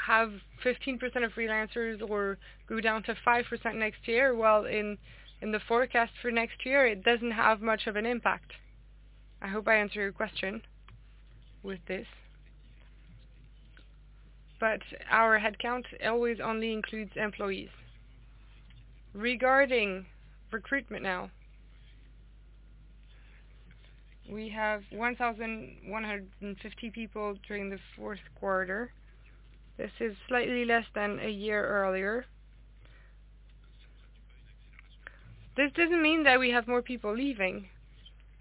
have 15% of freelancers or go down to 5% next year, well, in the forecast for next year, it doesn't have much of an impact. I hope I answered your question with this. Our headcount always only includes employees. Regarding recruitment now, we have 1,150 people during the fourth quarter. This is slightly less than a year earlier. This doesn't mean that we have more people leaving.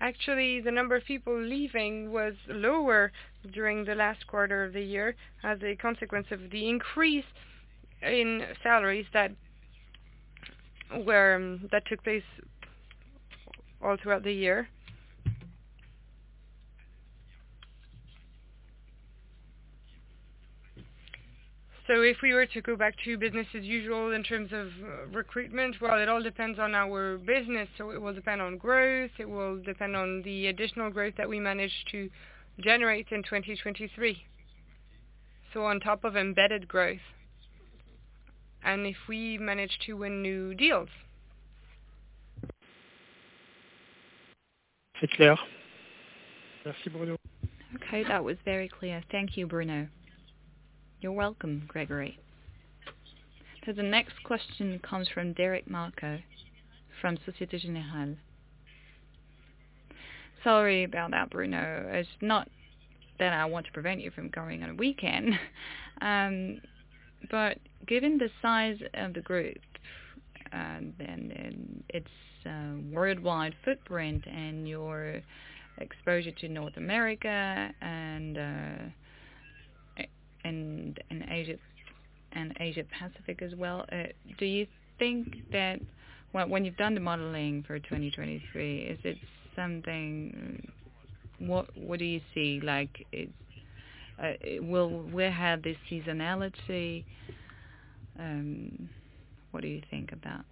Actually, the number of people leaving was lower during the last quarter of the year as a consequence of the increase in salaries that took place all throughout the year. If we were to go back to business as usual in terms of recruitment, well, it all depends on our business. It will depend on growth, it will depend on the additional growth that we manage to generate in 2023. On top of embedded finance, and if we manage to win new deals.
Okay. That was very clear. Thank you, Bruno.
You're welcome, Grégory.
The next question comes from Derick Deisser from Société Générale.
Sorry about that, Bruno. It's not that I want to prevent you from going on a weekend, but given the size of the group, and its worldwide footprint and your exposure to North America and Asia-Pacific as well, do you think that? When you've done the modeling for 2023, is it something? What do you see? Like, will it have this seasonality? What do you think about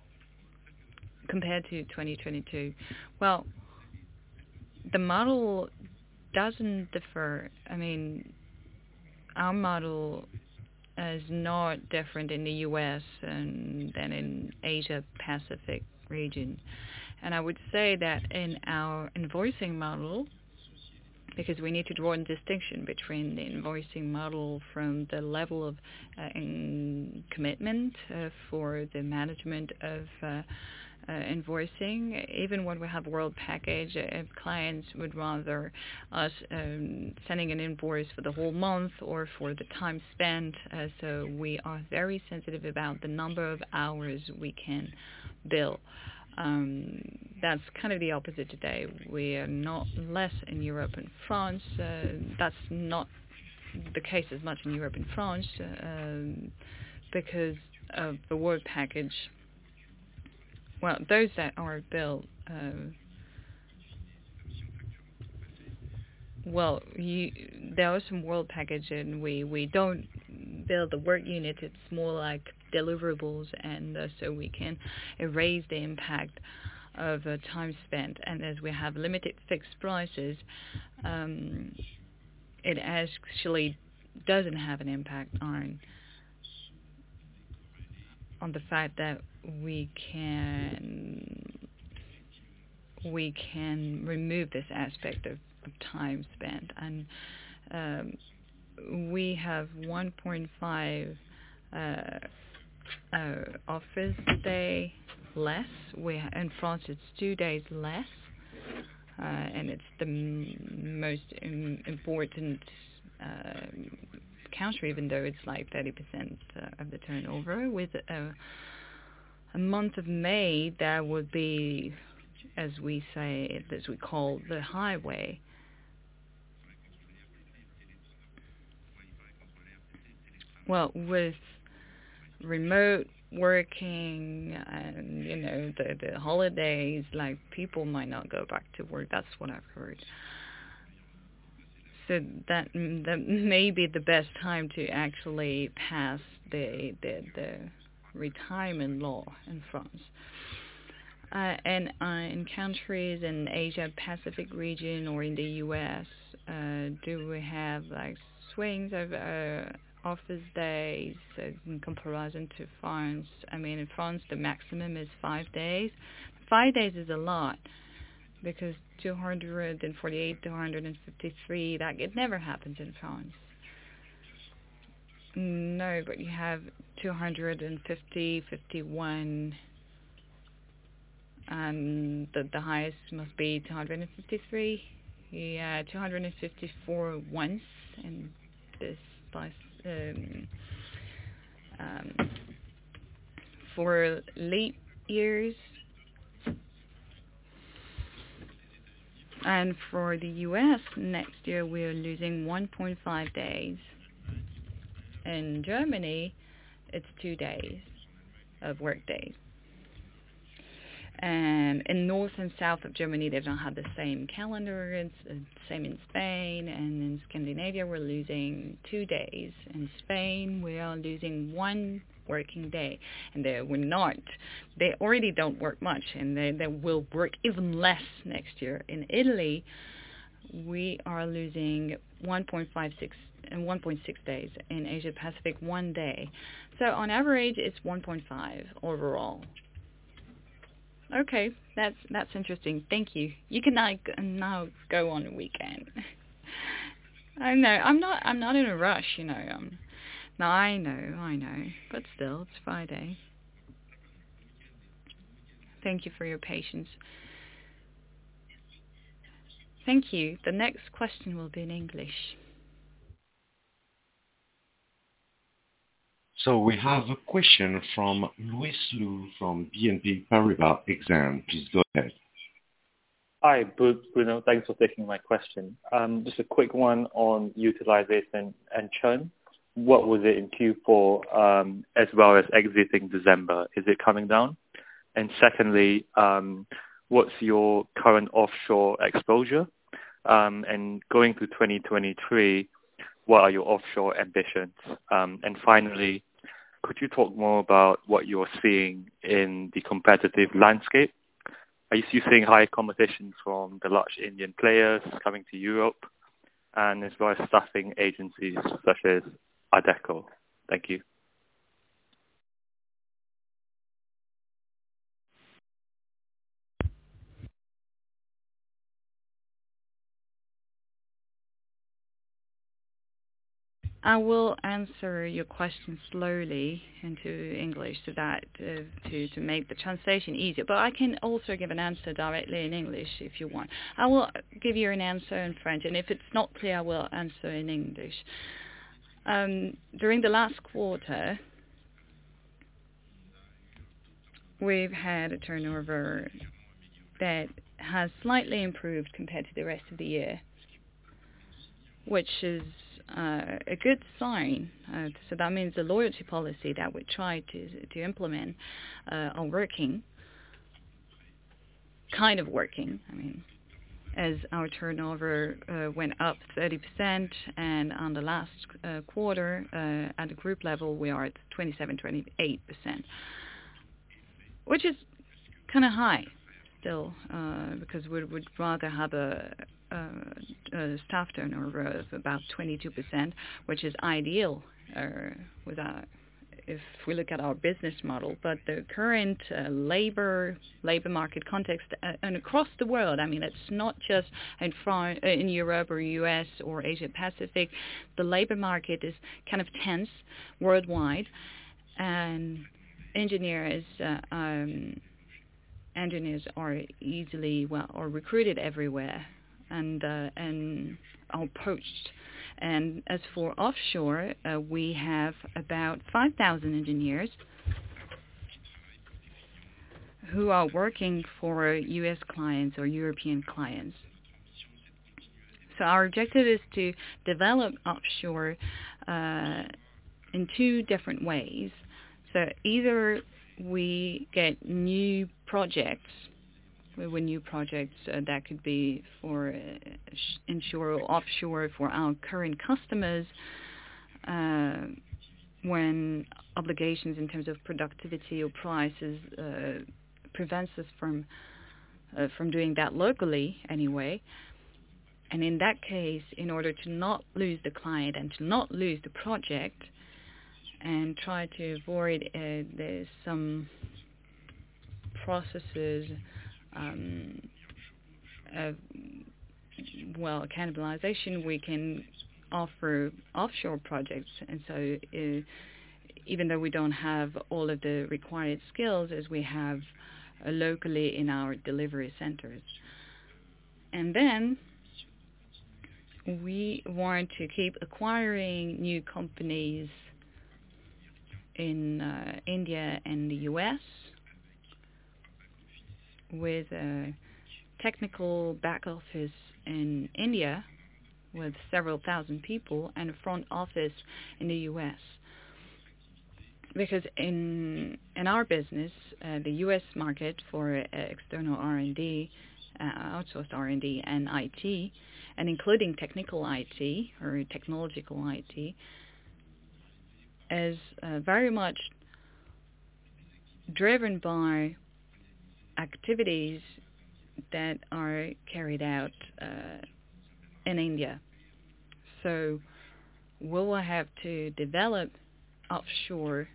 compared to 2022?
The model doesn't differ. I mean, our model is not different in the U.S. than in Asia-Pacific region. I would say that in our invoicing model, because we need to draw a distinction between the invoicing model from the level of in commitment for the management of invoicing. Even when we have work package, if clients would rather us sending an invoice for the whole month or for the time spent, we are very sensitive about the number of hours we can bill. That's kind of the opposite today. We are not less in Europe and France. That's not the case as much in Europe and France, because of the work package. Those that are billed, there are some work package and we don't build a work unit. It's more like deliverables and we can erase the impact of time spent. As we have limited fixed prices, it actually doesn't have an impact on the fact that we can remove this aspect of time spent. We have 1.5 office day less. In France it's two days less, and it's the most important country even though it's like 30% of the turnover. A month of May, there would be, as we say, as we call the highway. With remote working and, you know, the holidays, like, people might not go back to work. That's what I've heard. That may be the best time to actually pass the retirement law in France. In countries in Asia-Pacific region or in the U.S., do we have, like, swings of office days in comparison to France? I mean, in France, the maximum is 5 days. 5 days is a lot because 248, 253, like, it never happens in France. No, but you have 250, 51. The highest must be 253. Yeah, 254 once in this last. For leap years. For the U.S., next year we are losing 1.5 days. In Germany, it's 2 days of work days. In north and south of Germany, they don't have the same calendar. It's same in Spain and in Scandinavia, we're losing two days. In Spain, we are losing one working day, and they will not. They already don't work much, and they will work even less next year. In Italy, we are losing 1.5, six, and 1.6 days. In Asia-Pacific, one day. On average, it's 1.5 overall.
Okay. That's, that's interesting. Thank you. You can, like, now go on weekend.
I know. I'm not, I'm not in a rush, you know.
No, I know. I know. Still, it's Friday. Thank you for your patience.
Thank you. The next question will be in English. We have a question from Louis Lu from BNP Paribas Exane. Please go ahead.
Hi, Bruno. Thanks for taking my question. Just a quick one on utilization and churn. What was it in Q4, as well as exiting December? Is it coming down? Secondly, what's your current offshore exposure? Going to 2023, what are your offshore ambitions? Finally, could you talk more about what you're seeing in the competitive landscape? Are you seeing high competitions from the large Indian players coming to Europe and as well as staffing agencies such as Adecco? Thank you.
I will answer your question slowly into English so that to make the translation easier. I can also give an answer directly in English if you want. I will give you an answer in French, and if it's not clear, I will answer in English. During the last quarter, we've had a turnover that has slightly improved compared to the rest of the year, which is a good sign. So that means the loyalty policy that we tried to implement are working, kind of working. I mean, as our turnover went up 30%, and on the last quarter, at the group level, we are at 27%-28%. Which is kinda high still, because we'd rather have a staff turnover of about 22%, which is ideal if we look at our business model. The current labor market context, and across the world, I mean, it's not just in Europe or U.S. or Asia Pacific. The labor market is kind of tense worldwide, engineers are easily recruited everywhere and are poached. As for offshore, we have about 5,000 engineers who are working for US clients or European clients. Our objective is to develop offshore in two different ways. Either we get new projects, with new projects that could be for inshore or offshore for our current customers, when obligations in terms of productivity or prices prevents us from doing that locally anyway. In that case, in order to not lose the client and to not lose the project and try to avoid there's some processes Well, cannibalization, we can offer offshore projects. Even though we don't have all of the required skills as we have locally in our delivery centers. We want to keep acquiring new companies in India and the U.S. with a technical back office in India with several thousand people and a front office in the U.S. In our business, the U.S. market for external R&D, outsourced R&D and IT, and including technical IT or technological IT, is very much driven by activities that are carried out in India. We will have to develop offshore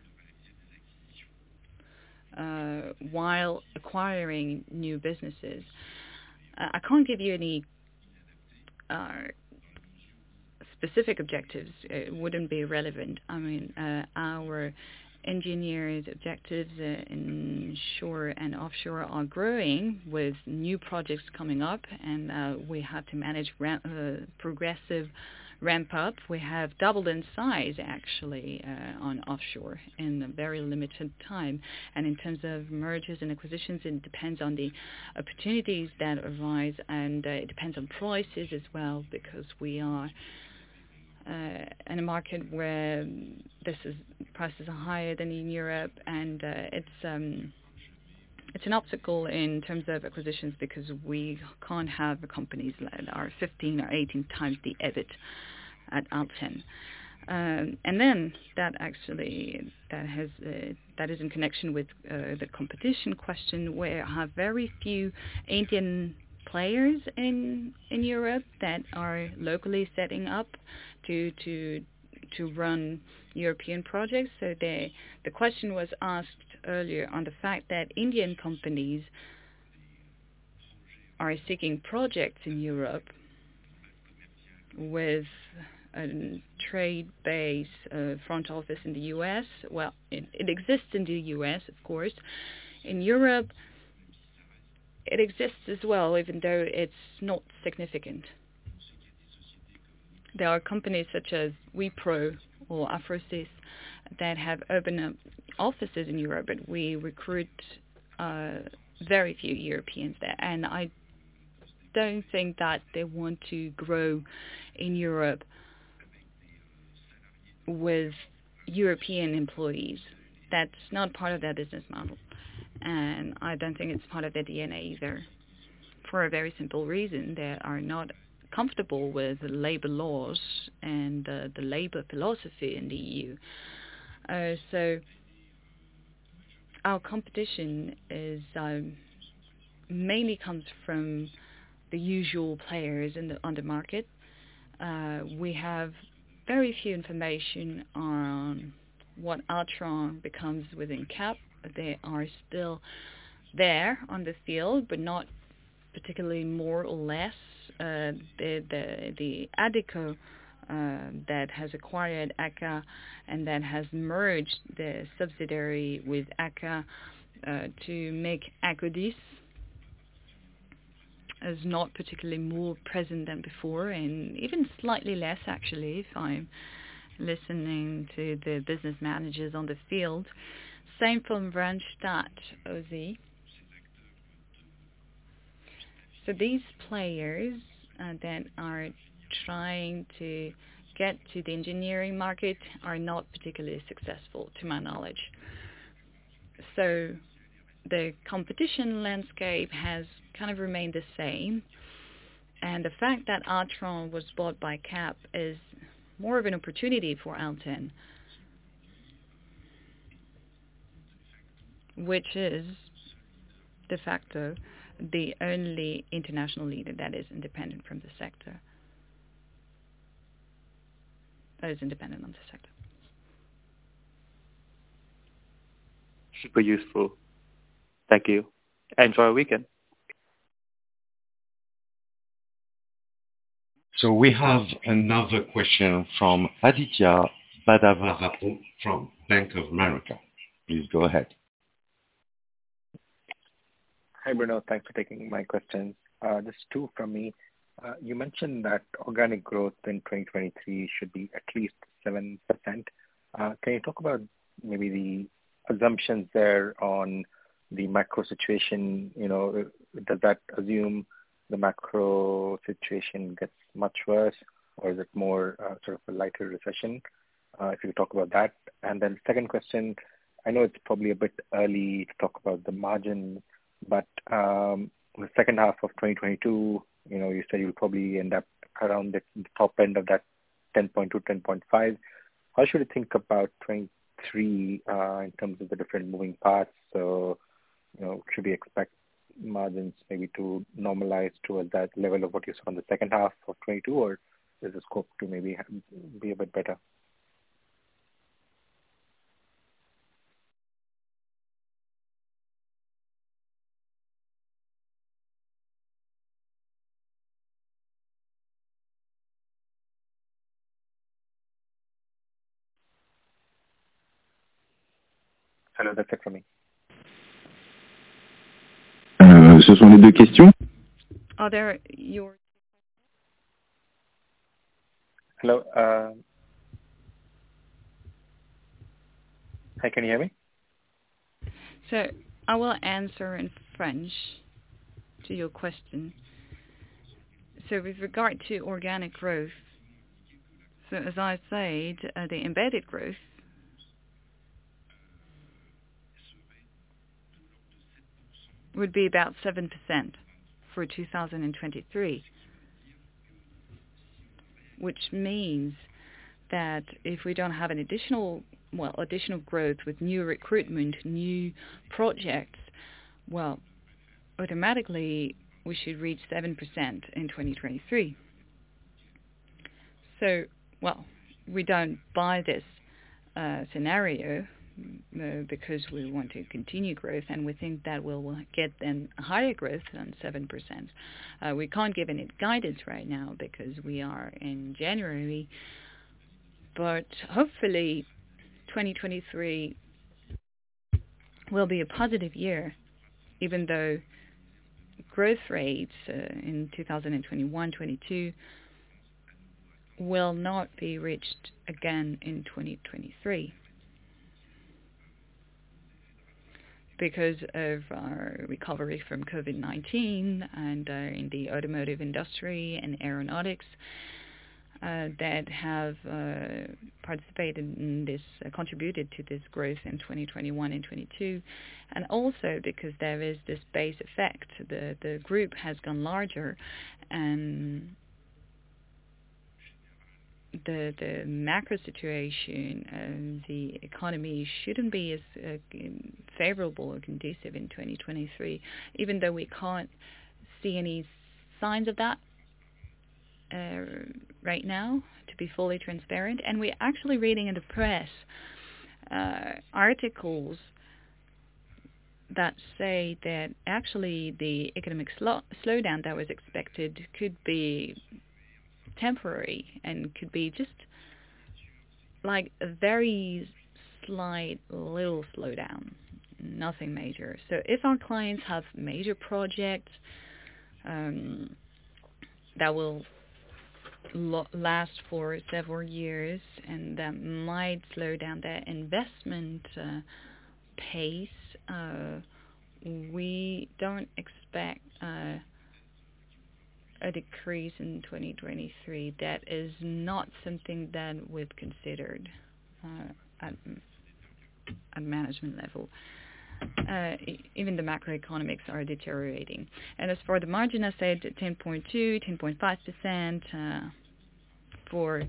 while acquiring new businesses. I can't give you any specific objectives. It wouldn't be relevant. I mean, our engineers' objectives, inshore and offshore are growing with new projects coming up and we have to manage progressive ramp up. We have doubled in size actually, on offshore in a very limited time. In terms of mergers and acquisitions, it depends on the opportunities that arise, it depends on prices as well, because we are in a market where prices are higher than in Europe and it's an obstacle in terms of acquisitions because we can't have companies that are 15 or 18 times the EBIT at Alten. That actually is in connection with the competition question, where I have very few Indian players in Europe that are locally setting up to run European projects. The question was asked earlier on the fact that Indian companies are seeking projects in Europe with a trade-based front office in the U.S. It exists in the U.S. of course. In Europe it exists as well, even though it's not significant. There are companies such as Wipro or Infosys that have opened up offices in Europe, but we recruit very few Europeans there, and I don't think that they want to grow in Europe with European employees. That's not part of their business model, and I don't think it's part of their DNA either, for a very simple reason. They are not comfortable with the labor laws and the labor philosophy in the EU. Our competition is mainly comes from the usual players on the market. We have very few information on what Altran becomes within Cap, but they are still there on the field, but not particularly more or less. The Adecco that has acquired Akka and then has merged the subsidiary with Akka to make Akkodis, is not particularly more present than before, and even slightly less actually, if I'm listening to the business managers on the field. Same from Randstad. These players that are trying to get to the engineering market are not particularly successful, to my knowledge. The competition landscape has kind of remained the same, and the fact that Altran was bought by Cap is more of an opportunity for Alten. Which is de facto, the only international leader that is independent from the sector. That is independent on the sector.
Super useful. Thank you. Enjoy your weekend.
We have another question from Aditya Buddhavarapu from Bank of America. Please go ahead.
Hi, Bruno. Thanks for taking my question. Just two from me. You mentioned that organic growth in 2023 should be at least 7%. Can you talk about maybe the assumptions there on the macro situation? You know, does that assume the macro situation gets much worse, or is it more, sort of a lighter recession? If you could talk about that. Second question, I know it's probably a bit early to talk about the margin, but the second half of 2022, you know, you said you'll probably end up around the top end of that 10.2%, 10.5%. How should we think about 2023, in terms of the different moving parts? You know, should we expect margins maybe to normalize towards that level of what you saw in the second half of 2022, or is the scope to maybe be a bit better? Hello, that's it from me.
Only the question.
Are there?
Hello, Hi, can you hear me?
I will answer in French to your question. With regard to organic growth, as I said, the embedded finance would be about 7% for 2023. Which means that if we don't have additional growth with new recruitment, new projects, automatically we should reach 7% in 2023. We don't buy this scenario merely because we want to continue growth and we think that we'll get them higher growth than 7%. We can't give any guidance right now because we are in January, but hopefully, 2023 will be a positive year, even though growth rates in 2021, 2022 will not be reached again in 2023. Because of our recovery from COVID-19 and in the automotive industry and aeronautics that have participated in this contributed to this growth in 2021 and 2022, and also because there is this base effect, the group has gone larger and the macro situation and the economy shouldn't be as favorable or conducive in 2023, even though we can't see any signs of that right now to be fully transparent. And we're actually reading in the press articles that say that actually the economic slowdown that was expected could be temporary and could be just, like, a very slight little slowdown, nothing major. So if our clients have major projects, that will last for several years, and that might slow down their investment pace, we don't expect a decrease in 2023. That is not something that we've considered at management level. Even the macroeconomics are deteriorating. As for the margin, I said 10.2%-10.5% for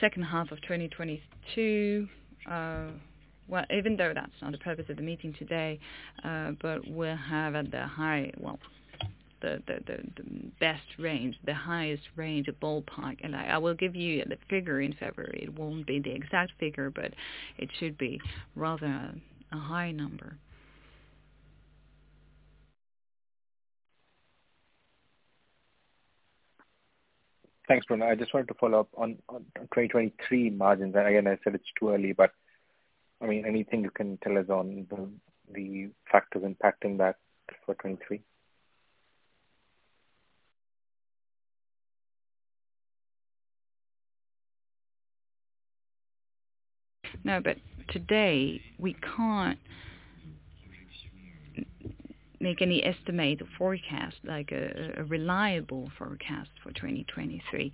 second half of 2022. Well, even though that's not the purpose of the meeting today, but we'll have Well, the best range, the highest range, a ballpark. I will give you the figure in February. It won't be the exact figure, but it should be rather a high number.
Thanks, Bruno. I just wanted to follow up on 2023 margins. Again, I said it's too early, but, I mean, anything you can tell us on the factors impacting that for 2023?
Today we can't make any estimate or forecast, like a reliable forecast for 2023.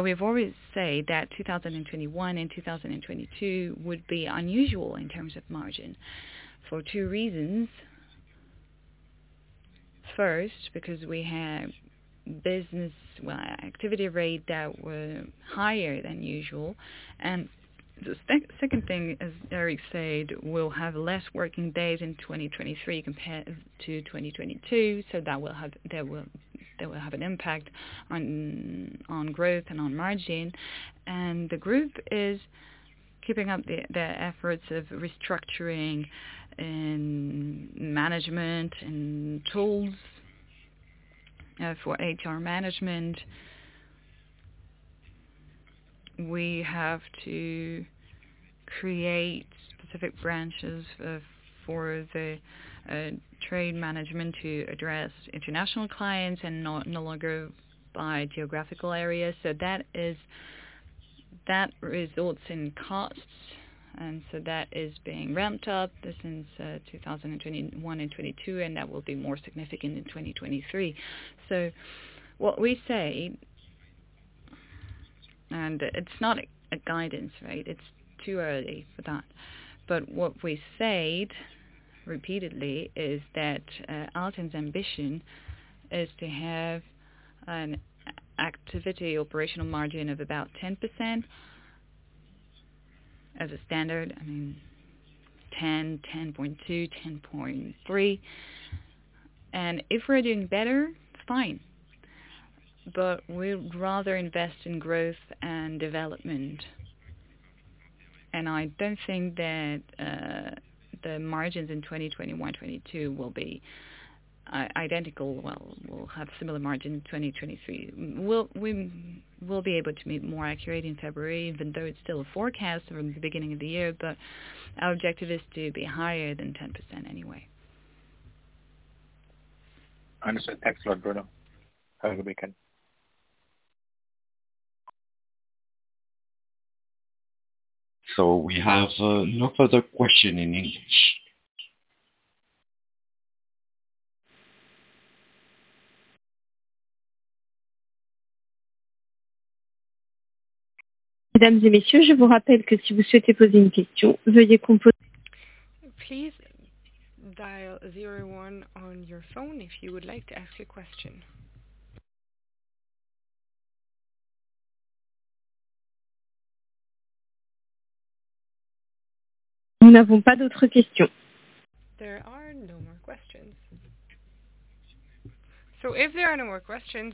We've always said that 2021 and 2022 would be unusual in terms of margin for two reasons. First, because we have activity rate that were higher than usual. The second thing, as Eric Martin said, we'll have less working days in 2023 compared to 2022. That will have an impact on growth and on margin. The group is keeping up the efforts of restructuring in management and tools for HR management. We have to create specific branches for the trade management to address international clients and not no longer by geographical area. That results in costs. That is being ramped up since 2021 and 2022, and that will be more significant in 2023. What we say, and it's not a guidance, right? It's too early for that. What we said repeatedly is that Alten's ambition is to have an activity operational margin of about 10% as a standard. I mean, 10.2, 10.3. If we're doing better, fine, but we'd rather invest in growth and development. I don't think that the margins in 2021, 2022 will be identical. Well, we'll have similar margin in 2023. We will be able to be more accurate in February, even though it's still a forecast from the beginning of the year, but our objective is to be higher than 10% anyway.
Understood. Thanks a lot, Bruno. Have a good weekend.
We have no further question in English. Please dial zero one on your phone if you would like to ask a question. There are no more questions. If there are no more questions,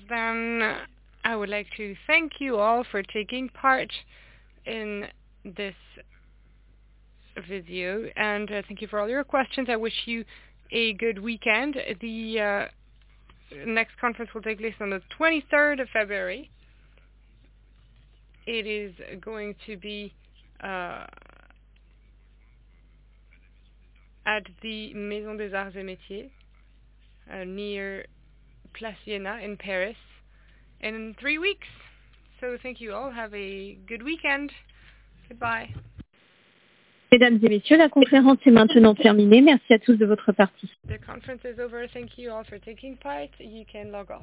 I would like to thank you all for taking part in this review. Thank you for all your questions. I wish you a good weekend. The next conference will take place on the 23rd of February. It is going to be at the Maison des Arts et Métiers, near Place d'Iéna in Paris in three weeks. Thank you all. Have a good weekend. Goodbye. The conference is over. Thank you all for taking part. You can log off.